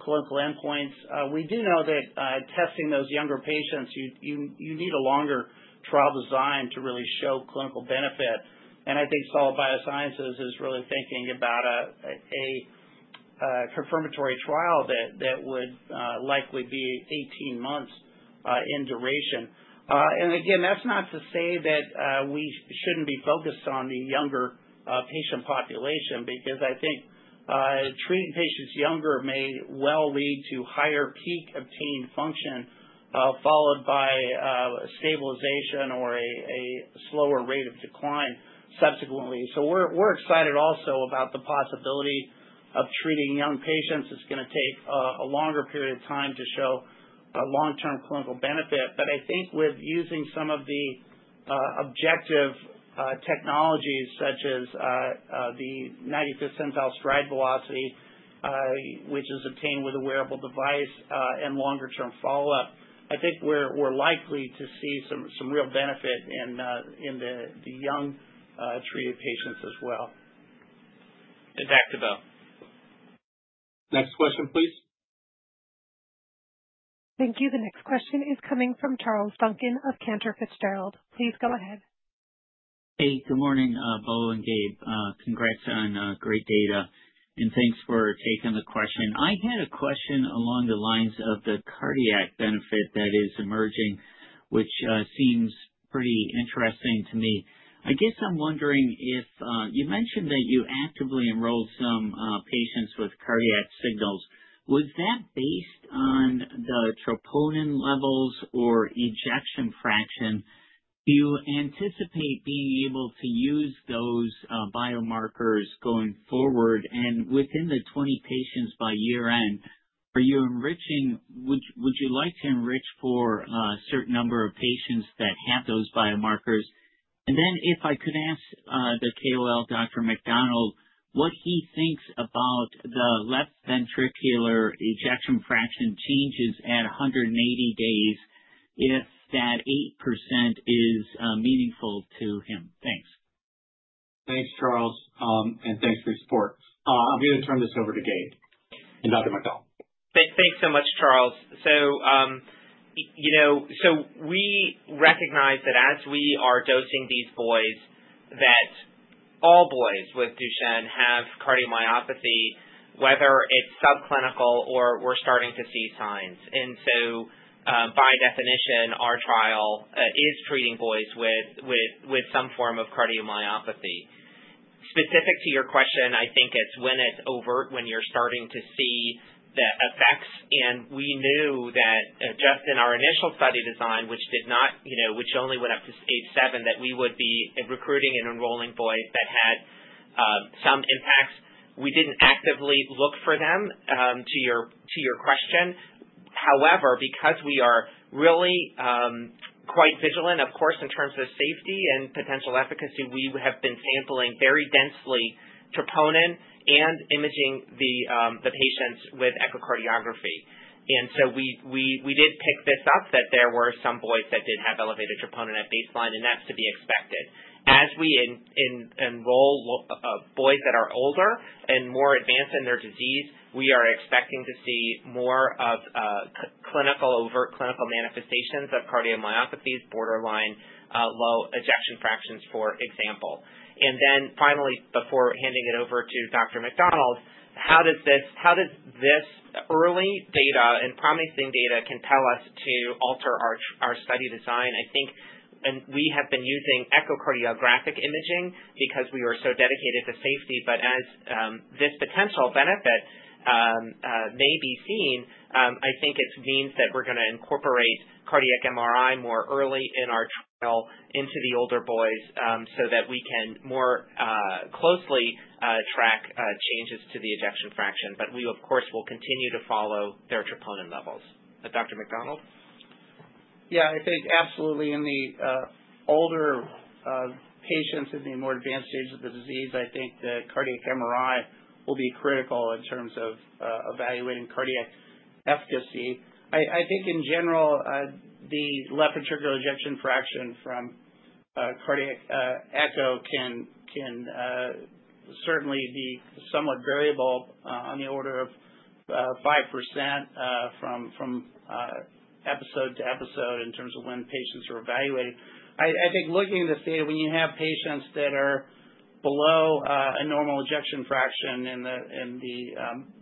clinical endpoints. We do know that testing those younger patients, you need a longer trial design to really show clinical benefit, and I think Solid Biosciences is really thinking about a confirmatory trial that would likely be 18 months in duration, and again, that's not to say that we shouldn't be focused on the younger patient population because I think treating patients younger may well lead to higher peak obtained function followed by stabilization or a slower rate of decline subsequently, so we're excited also about the possibility of treating young patients. It's going to take a longer period of time to show a long-term clinical benefit, but I think with using some of the objective technologies such as the 95th centile stride velocity, which is obtained with a wearable device, and longer-term follow-up, I think we're likely to see some real benefit in the young treated patients as well. And back to Bo. Next question, please. Thank you. The next question is coming from Charles Duncan of Cantor Fitzgerald. Please go ahead. Hey. Good morning, Bo and Gabe. Congrats on great data. And thanks for taking the question. I had a question along the lines of the cardiac benefit that is emerging, which seems pretty interesting to me. I guess I'm wondering if you mentioned that you actively enrolled some patients with cardiac signals. Was that based on the troponin levels or ejection fraction? Do you anticipate being able to use those biomarkers going forward? And within the 20 patients by year-end, would you like to enrich for a certain number of patients that have those biomarkers? And then if I could ask the KOL, Dr. McDonald, what he thinks about the left ventricular ejection fraction changes at 180 days if that 8% is meaningful to him. Thanks. Thanks, Charles, and thanks for your support. I'm going to turn this over to Gabe and Dr. McDonald. Thanks so much, Charles, so we recognize that as we are dosing these boys, that all boys with Duchenne have cardiomyopathy, whether it's subclinical or we're starting to see signs, and so by definition, our trial is treating boys with some form of cardiomyopathy. Specific to your question, I think it's when it's overt, when you're starting to see the effects, and we knew that just in our initial study design, which only went up to age seven, that we would be recruiting and enrolling boys that had some impacts. We didn't actively look for them to your question. However, because we are really quite vigilant, of course, in terms of safety and potential efficacy, we have been sampling very densely troponin and imaging the patients with echocardiography. We did pick this up that there were some boys that did have elevated troponin at baseline, and that's to be expected. As we enroll boys that are older and more advanced in their disease, we are expecting to see more of overt clinical manifestations of cardiomyopathies, borderline low ejection fractions, for example. Finally, before handing it over to Dr. McDonald, how does this early data and promising data compel us to alter our study design? I think we have been using echocardiographic imaging because we are so dedicated to safety. As this potential benefit may be seen, I think it means that we're going to incorporate cardiac MRI more early in our trial into the older boys so that we can more closely track changes to the ejection fraction. We, of course, will continue to follow their troponin levels. Dr. McDonald? Yeah. I think absolutely in the older patients in the more advanced stage of the disease, I think the cardiac MRI will be critical in terms of evaluating cardiac efficacy. I think in general, the left ventricular ejection fraction from cardiac echo can certainly be somewhat variable on the order of 5% from episode to episode in terms of when patients are evaluated. I think looking at this data, when you have patients that are below a normal ejection fraction in the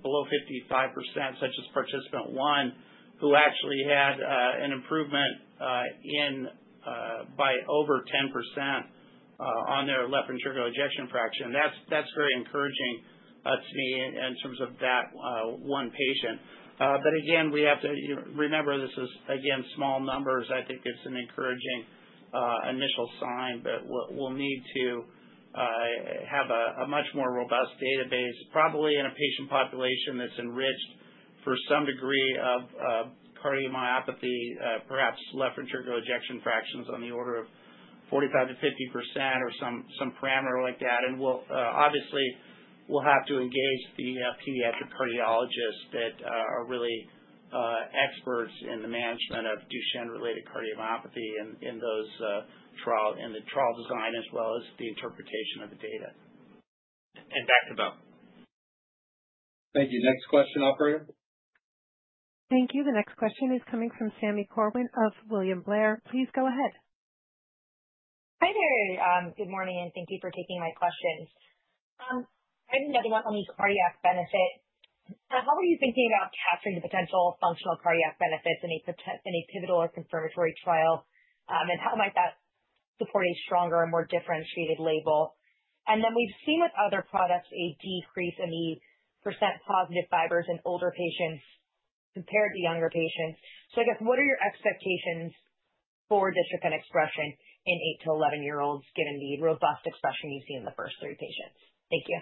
below 55%, such as participant 1, who actually had an improvement by over 10% on their left ventricular ejection fraction, that's very encouraging to me in terms of that one patient. But again, we have to remember this is, again, small numbers. I think it's an encouraging initial sign, but we'll need to have a much more robust database, probably in a patient population that's enriched for some degree of cardiomyopathy, perhaps left ventricular ejection fractions on the order of 45%-50% or some parameter like that. And obviously, we'll have to engage the pediatric cardiologists that are really experts in the management of Duchenne-related cardiomyopathy in the trial design as well as the interpretation of the data. And back to Bo. Thank you. Next question, operator. Thank you. The next question is coming from Sami Corwin of William Blair. Please go ahead. Hi there. Good morning, and thank you for taking my questions. I have another one on the cardiac benefit. How are you thinking about capturing the potential functional cardiac benefits in a pivotal or confirmatory trial, and how might that support a stronger and more differentiated label? Then we've seen with other products a decrease in the % positive fibers in older patients compared to younger patients. So I guess, what are your expectations for this tropism and expression in 8- to 11-year-olds given the robust expression you've seen in the first three patients? Thank you.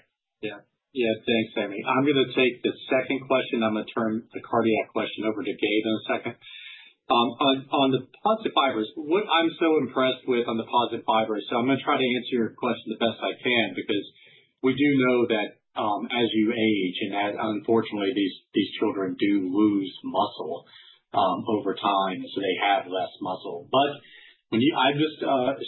Yeah. Yeah. Thanks, Sami. I'm going to take the second question. I'm going to turn the cardiac question over to Gabe in a second. On the positive fibers, what I'm so impressed with on the positive fibers, so I'm going to try to answer your question the best I can because we do know that as you age and unfortunately, these children do lose muscle over time, so they have less muscle. But I'm just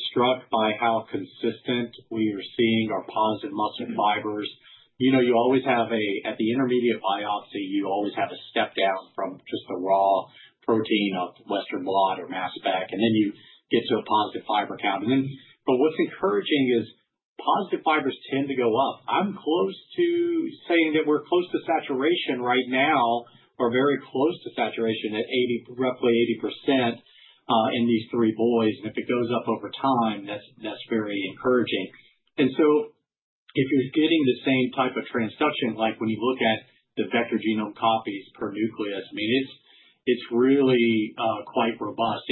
struck by how consistent we are seeing our positive muscle fibers. You always have at the intermediate biopsy a step down from just the raw protein of Western blot or mass spec, and then you get to a positive fiber count. But what's encouraging is positive fibers tend to go up. I'm close to saying that we're close to saturation right now or very close to saturation at roughly 80% in these three boys. And if it goes up over time, that's very encouraging. And so if you're getting the same type of transduction, like when you look at the vector genome copies per nucleus, I mean, it's really quite robust.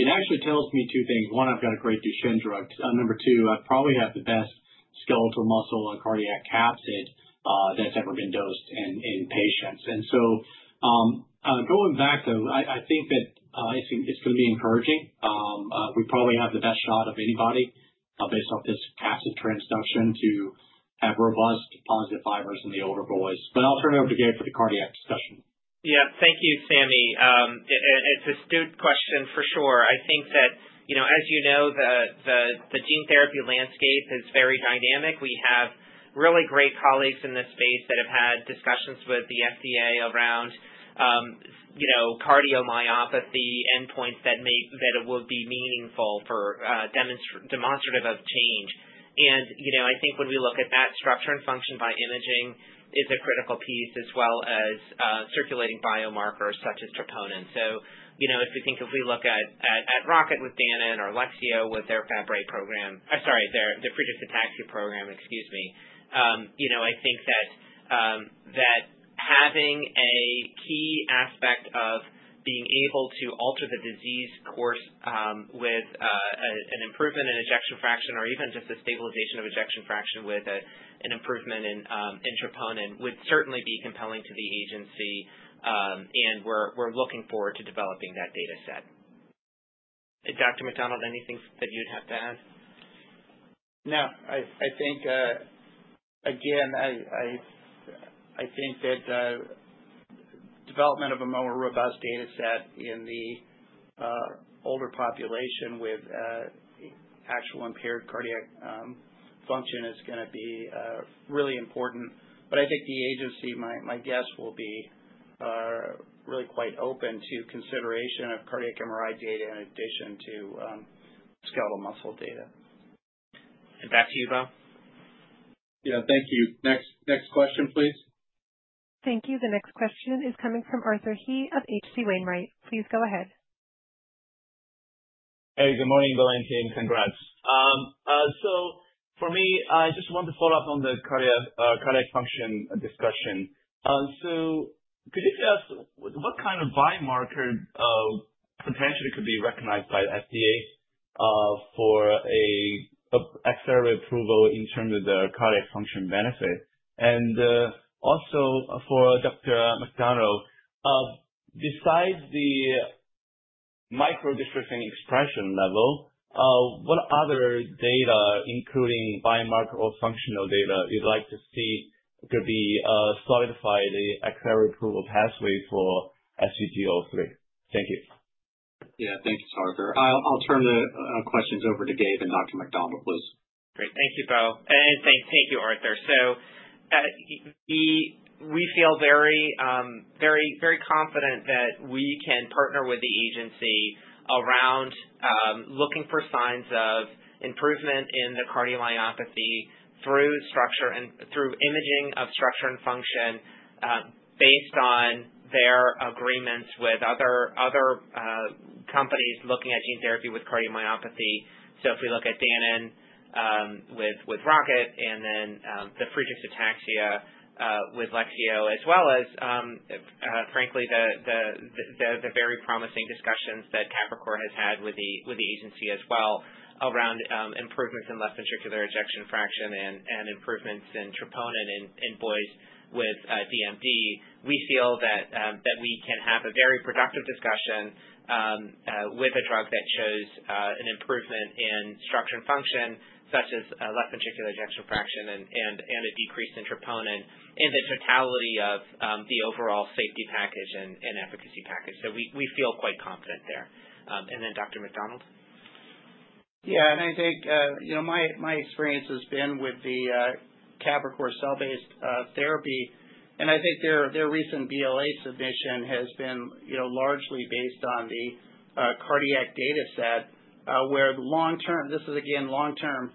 It actually tells me two things. One, I've got a great Duchenne drug. Number two, I probably have the best skeletal muscle and cardiac capsid that's ever been dosed in patients. And so going back, though, I think that it's going to be encouraging. We probably have the best shot of anybody based off this capsid transduction to have robust positive fibers in the older boys. But I'll turn it over to Gabe for the cardiac discussion. Yeah. Thank you, Sami. It's a stupid question for sure. I think that, as you know, the gene therapy landscape is very dynamic. We have really great colleagues in this space that have had discussions with the FDA around cardiomyopathy endpoints that it will be meaningful for demonstrative of change. And I think when we look at that structure and function by imaging is a critical piece as well as circulating biomarkers such as troponin. So if we think of - we look at Rocket with Danon or Lexeo with their Fabry program - sorry, their Friedreich's ataxia program, excuse me. I think that having a key aspect of being able to alter the disease course with an improvement in ejection fraction or even just a stabilization of ejection fraction with an improvement in troponin would certainly be compelling to the agency. And we're looking forward to developing that data set. Dr. McDonald, anything that you'd have to add? No. I think, again, I think that development of a more robust data set in the older population with actual impaired cardiac function is going to be really important. But I think the agency, my guess, will be really quite open to consideration of cardiac MRI data in addition to skeletal muscle data. And back to you, Bo. Yeah. Thank you. Next question, please. Thank you. The next question is coming from Arthur He of H.C. Wainwright. Please go ahead. Hey. Good morning, Bo and Gabe. Congrats. So for me, I just want to follow up on the cardiac function discussion. So could you tell us what kind of biomarker potentially could be recognized by the FDA for an accelerated approval in terms of the cardiac function benefit? And also for Dr. McDonald, besides the microdystrophin expression level, what other data, including biomarker or functional data, you'd like to see to be solidified the accelerated approval pathway for SGT-003? Thank you. Yeah. Thank you, Arthur. I'll turn the questions over to Gabe and Dr. McDonald, please. Great. Thank you, Bo. And thank you, Arthur. So we feel very, very confident that we can partner with the agency around looking for signs of improvement in the cardiomyopathy through imaging of structure and function based on their agreements with other companies looking at gene therapy with cardiomyopathy. So if we look at Danon with Rocket and then the PREDICT with Alexion, as well as, frankly, the very promising discussions that Capricor has had with the agency as well around improvements in left ventricular ejection fraction and improvements in troponin in boys with DMD, we feel that we can have a very productive discussion with a drug that shows an improvement in structure and function such as left ventricular ejection fraction and a decrease in troponin in the totality of the overall safety package and efficacy package. So we feel quite confident there. And then Dr. McDonald? Yeah. And I think my experience has been with the Capricor cell-based therapy. I think their recent BLA submission has been largely based on the cardiac data set where long-term, this is, again, long-term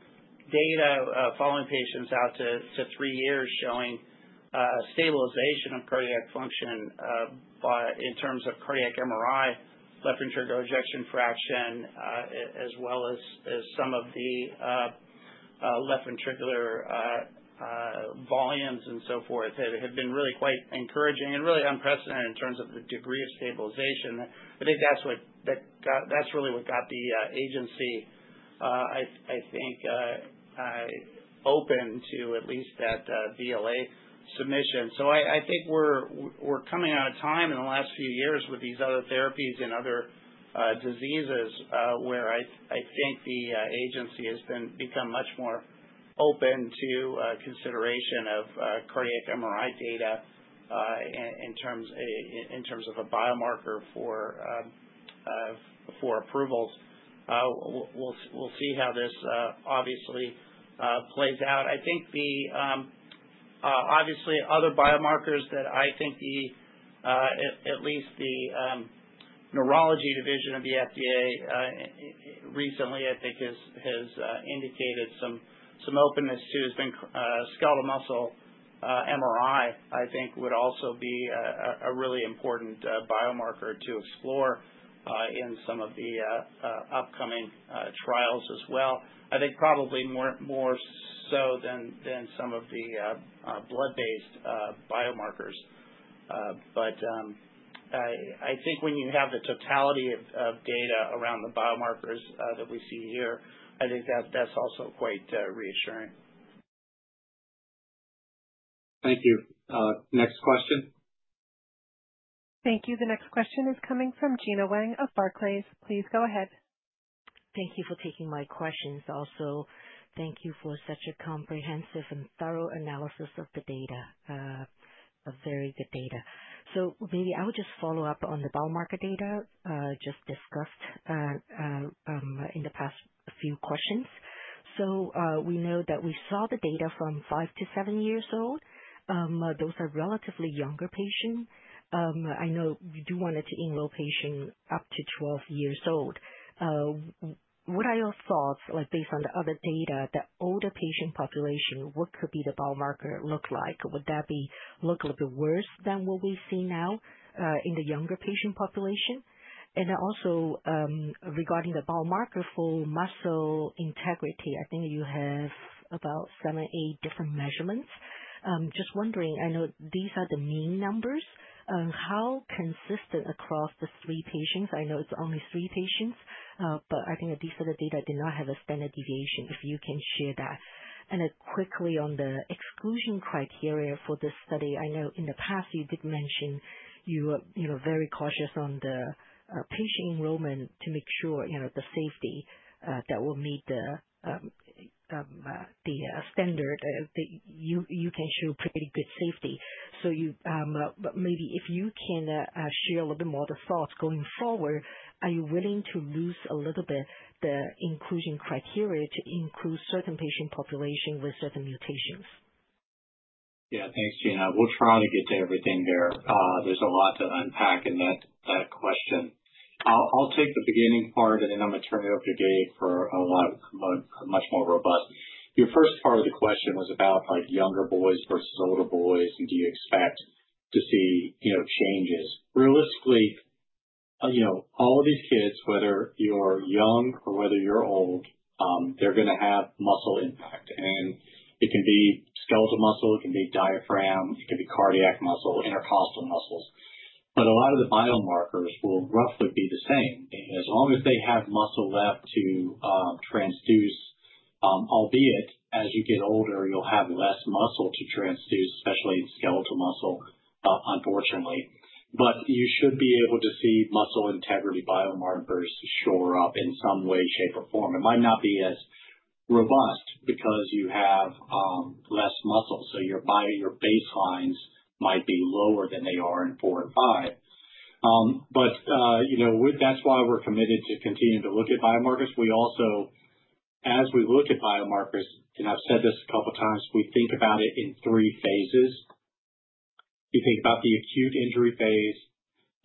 data following patients out to three years showing stabilization of cardiac function in terms of cardiac MRI, left ventricular ejection fraction, as well as some of the left ventricular volumes and so forth. It had been really quite encouraging and really unprecedented in terms of the degree of stabilization. I think that's really what got the agency, I think, open to at least that BLA submission. I think we're coming out of time in the last few years with these other therapies and other diseases where I think the agency has become much more open to consideration of cardiac MRI data in terms of a biomarker for approvals. We'll see how this obviously plays out. I think obviously other biomarkers that I think at least the neurology division of the FDA recently, I think, has indicated some openness to has been skeletal muscle MRI, I think, would also be a really important biomarker to explore in some of the upcoming trials as well. I think probably more so than some of the blood-based biomarkers. But I think when you have the totality of data around the biomarkers that we see here, I think that's also quite reassuring. Thank you. Next question. Thank you. The next question is coming from Gena Wang of Barclays. Please go ahead. Thank you for taking my questions. Also, thank you for such a comprehensive and thorough analysis of the data, very good data. So maybe I would just follow up on the biomarker data just discussed in the past few questions. We know that we saw the data from five to seven years old. Those are relatively younger patients. I know we do wanted to enroll patients up to 12 years old. What are your thoughts based on the other data, the older patient population? What could be the biomarker look like? Would that look a little bit worse than what we see now in the younger patient population? And also regarding the biomarker for muscle integrity, I think you have about seven, eight different measurements. Just wondering, I know these are the mean numbers. How consistent across the three patients? I know it's only three patients, but I think these are the data that do not have a standard deviation. If you can share that. And quickly on the exclusion criteria for this study, I know in the past you did mention you were very cautious on the patient enrollment to make sure the safety that will meet the standard. You can show pretty good safety. So maybe if you can share a little bit more of the thoughts going forward, are you willing to lose a little bit the inclusion criteria to include certain patient population with certain mutations? Yeah. Thanks, Gena. We'll try to get to everything there. There's a lot to unpack in that question. I'll take the beginning part, and then I'm going to turn it over to Gabe for a much more robust. Your first part of the question was about younger boys versus older boys, and do you expect to see changes? Realistically, all of these kids, whether you're young or whether you're old, they're going to have muscle impact. And it can be skeletal muscle. It can be diaphragm. It can be cardiac muscle, intercostal muscles. But a lot of the biomarkers will roughly be the same as long as they have muscle left to transduce, albeit as you get older, you'll have less muscle to transduce, especially skeletal muscle, unfortunately. But you should be able to see muscle integrity biomarkers shore up in some way, shape, or form. It might not be as robust because you have less muscle, so your baselines might be lower than they are in four and five. But that's why we're committed to continuing to look at biomarkers. We also, as we look at biomarkers, and I've said this a couple of times, we think about it in three phases. You think about the acute injury phase,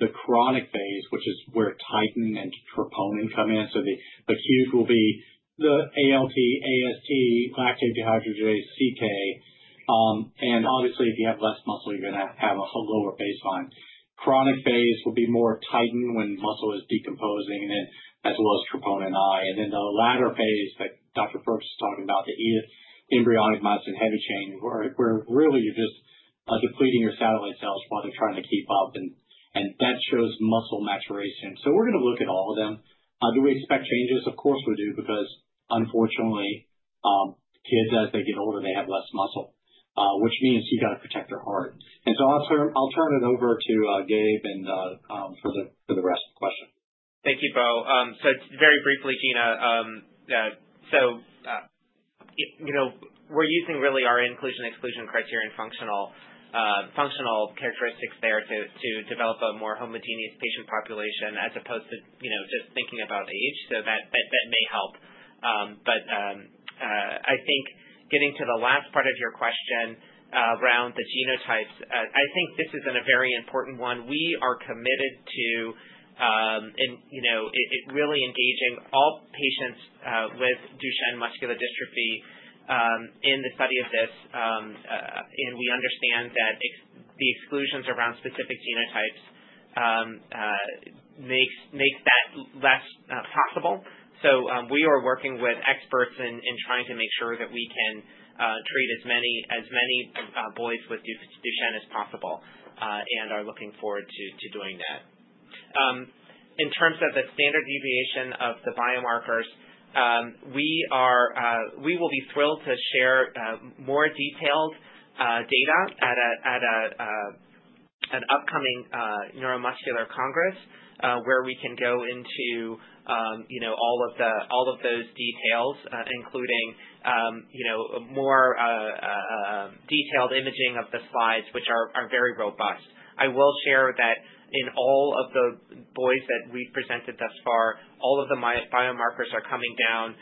the chronic phase, which is where titin and troponin come in. So the acute will be the ALT, AST, lactate dehydrogenase, CK. And obviously, if you have less muscle, you're going to have a lower baseline. Chronic phase will be more titin when muscle is decomposing, as well as troponin I. And then the latter phase that Dr. Brooks is talking about, the embryonic myosin heavy chain, where really you're just depleting your satellite cells while they're trying to keep up. And that shows muscle maturation. So we're going to look at all of them. Do we expect changes? Of course we do because, unfortunately, kids as they get older, they have less muscle, which means you got to protect their heart. And so I'll turn it over to Gabe for the rest of the question. Thank you, Bo. So very briefly, Gena, so we're using really our inclusion-exclusion criteria and functional characteristics there to develop a more homogeneous patient population as opposed to just thinking about age. So that may help. But I think getting to the last part of your question around the genotypes, I think this is a very important one. We are committed to really engaging all patients with Duchenne muscular dystrophy in the study of this. And we understand that the exclusions around specific genotypes make that less possible. So we are working with experts in trying to make sure that we can treat as many boys with Duchenne as possible and are looking forward to doing that. In terms of the standard deviation of the biomarkers, we will be thrilled to share more detailed data at an upcoming neuromuscular congress where we can go into all of those details, including more detailed imaging of the slides, which are very robust. I will share that in all of the boys that we've presented thus far, all of the biomarkers are coming down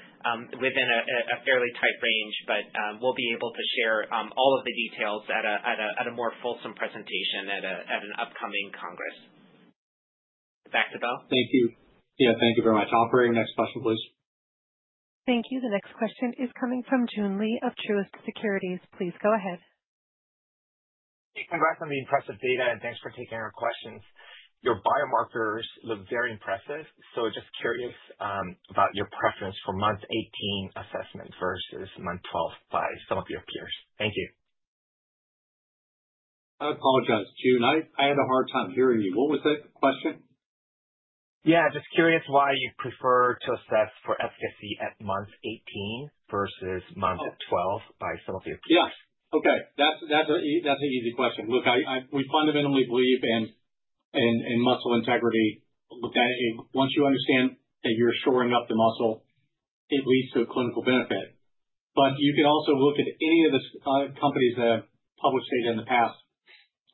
within a fairly tight range. But we'll be able to share all of the details at a more fulsome presentation at an upcoming congress. Back to Bo. Thank you. Yeah. Thank you very much. I'll bring next question, please. Thank you. The next question is coming from Joon Lee of Truist Securities. Please go ahead. Hey. Congrats on the impressive data, and thanks for taking our questions. Your biomarkers look very impressive. So just curious about your preference for month 18 assessment versus month 12 by some of your peers. Thank you. I apologize, Joon. I had a hard time hearing you. What was that question? Yeah. Just curious why you prefer to assess for efficacy at month 18 versus month 12 by some of your peers. Yes. Okay. That's an easy question. Look, we fundamentally believe in muscle integrity. Once you understand that you're shoring up the muscle, it leads to a clinical benefit. But you can also look at any of the companies that have published data in the past.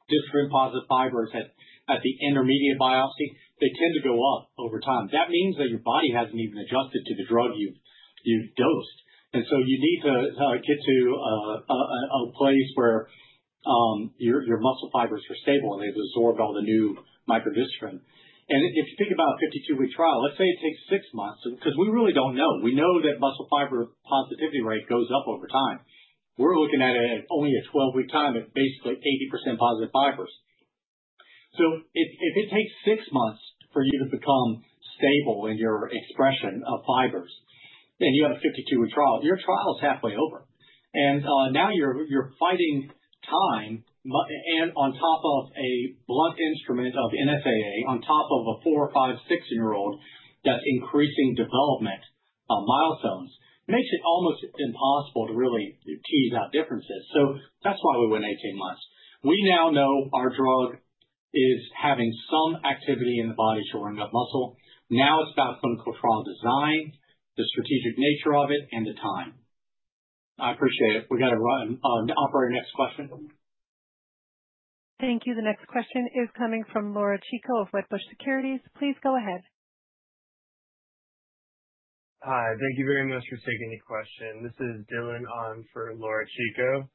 Dystrophin-positive fibers at the intermediate biopsy, they tend to go up over time. That means that your body hasn't even adjusted to the drug you've dosed. And so you need to get to a place where your muscle fibers are stable and they've absorbed all the new microdystrophin. If you think about a 52-week trial, let's say it takes six months because we really don't know. We know that muscle fiber positivity rate goes up over time. We're looking at only a 12-week time at basically 80% positive fibers. So if it takes six months for you to become stable in your expression of fibers and you have a 52-week trial, your trial is halfway over. And now you're fighting time on top of a blunt instrument of NSAA on top of a four, five, six-year-old that's increasing development milestones makes it almost impossible to really tease out differences. So that's why we went 18 months. We now know our drug is having some activity in the body shoring up muscle. Now it's about clinical trial design, the strategic nature of it, and the time. I appreciate it. We got to run and operate our next question. Thank you. The next question is coming from Laura Chico of Wedbush Securities. Please go ahead. Hi. Thank you very much for taking the question. This is Dylan on for Laura Chico.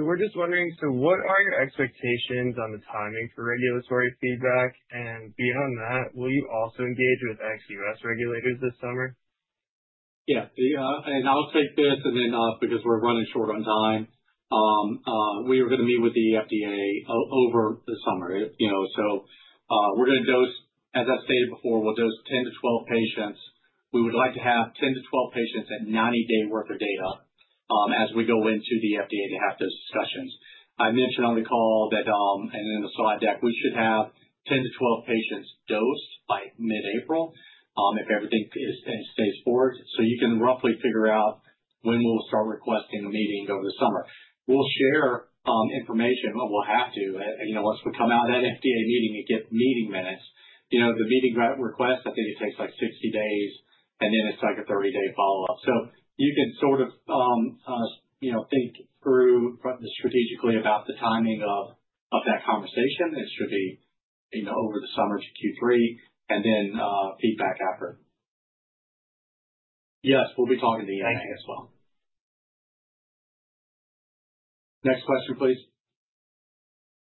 We're just wondering, so what are your expectations on the timing for regulatory feedback? And beyond that, will you also engage with ex-US regulators this summer? Yeah. And I'll take this and then because we're running short on time, we are going to meet with the FDA over the summer. So we're going to dose, as I've stated before, we'll dose 10 to 12 patients. We would like to have 10 to 12 patients at 90 days' worth of data as we go into the FDA to have those discussions. I mentioned on the call that and in the slide deck, we should have 10 to 12 patients dosed by mid-April if everything stays forward. So you can roughly figure out when we'll start requesting a meeting over the summer. We'll share information when we'll have to. Once we come out of that FDA meeting and get meeting minutes, the meeting request, I think it takes like 60 days, and then it's like a 30-day follow-up. So you can sort of think through strategically about the timing of that conversation. It should be over the summer to Q3 and then feedback after. Yes. We'll be talking to you as well. Thank you. Next question, please.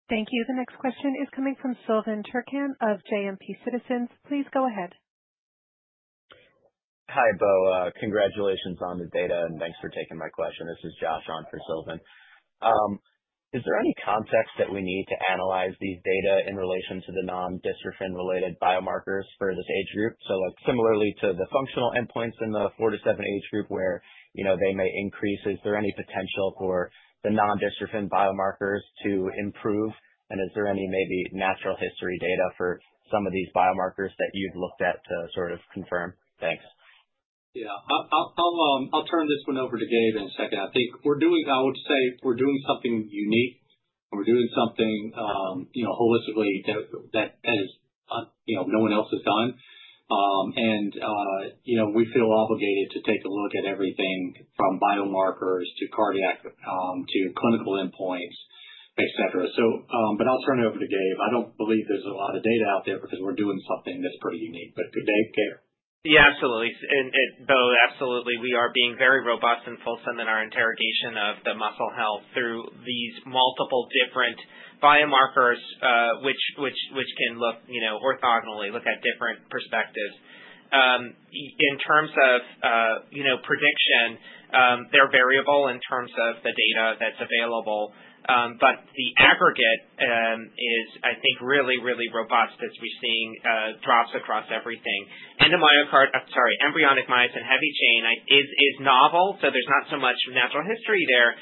Thank you. The next question is coming from Silvan Türkcan of JMP Securities. Please go ahead. Hi, Bo. Congratulations on the data, and thanks for taking my question. This is Josh on for Silvan. Is there any context that we need to analyze these data in relation to the non-dystrophin-related biomarkers for this age group? So similarly to the functional endpoints in the four to seven age group where they may increase, is there any potential for the non-dystrophin biomarkers to improve? And is there any maybe natural history data for some of these biomarkers that you've looked at to sort of confirm? Thanks. Yeah. I'll turn this one over to Gabe in a second. I think we're doing. I would say we're doing something unique. We're doing something holistically that no one else has done. And we feel obligated to take a look at everything from biomarkers to cardiac to clinical endpoints, etc. But I'll turn it over to Gabe. I don't believe there's a lot of data out there because we're doing something that's pretty unique. But Gabe, care. Yeah. Absolutely. And Bo, absolutely. We are being very robust and fulsome in our interrogation of the muscle health through these multiple different biomarkers, which can look orthogonally, look at different perspectives. In terms of prediction, they're variable in terms of the data that's available. But the aggregate is, I think, really, really robust as we're seeing drops across everything. Endomyocard—I'm sorry, embryonic myosin heavy chain is novel. So there's not so much natural history there.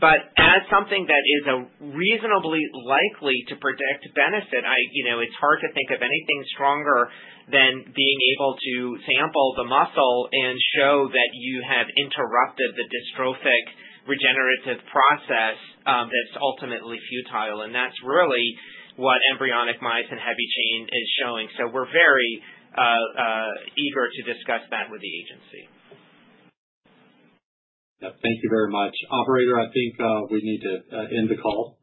But as something that is reasonably likely to predict benefit, it's hard to think of anything stronger than being able to sample the muscle and show that you have interrupted the dystrophic regenerative process that's ultimately futile. And that's really what embryonic myosin heavy chain is showing. So we're very eager to discuss that with the agency. Yep. Thank you very much. Operator, I think we need to end the call.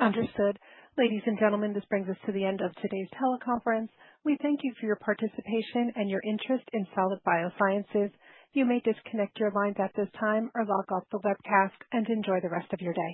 Understood. Ladies and gentlemen, this brings us to the end of today's teleconference. We thank you for your participation and your interest in Solid Biosciences. You may disconnect your lines at this time or log off the webcast and enjoy the rest of your day.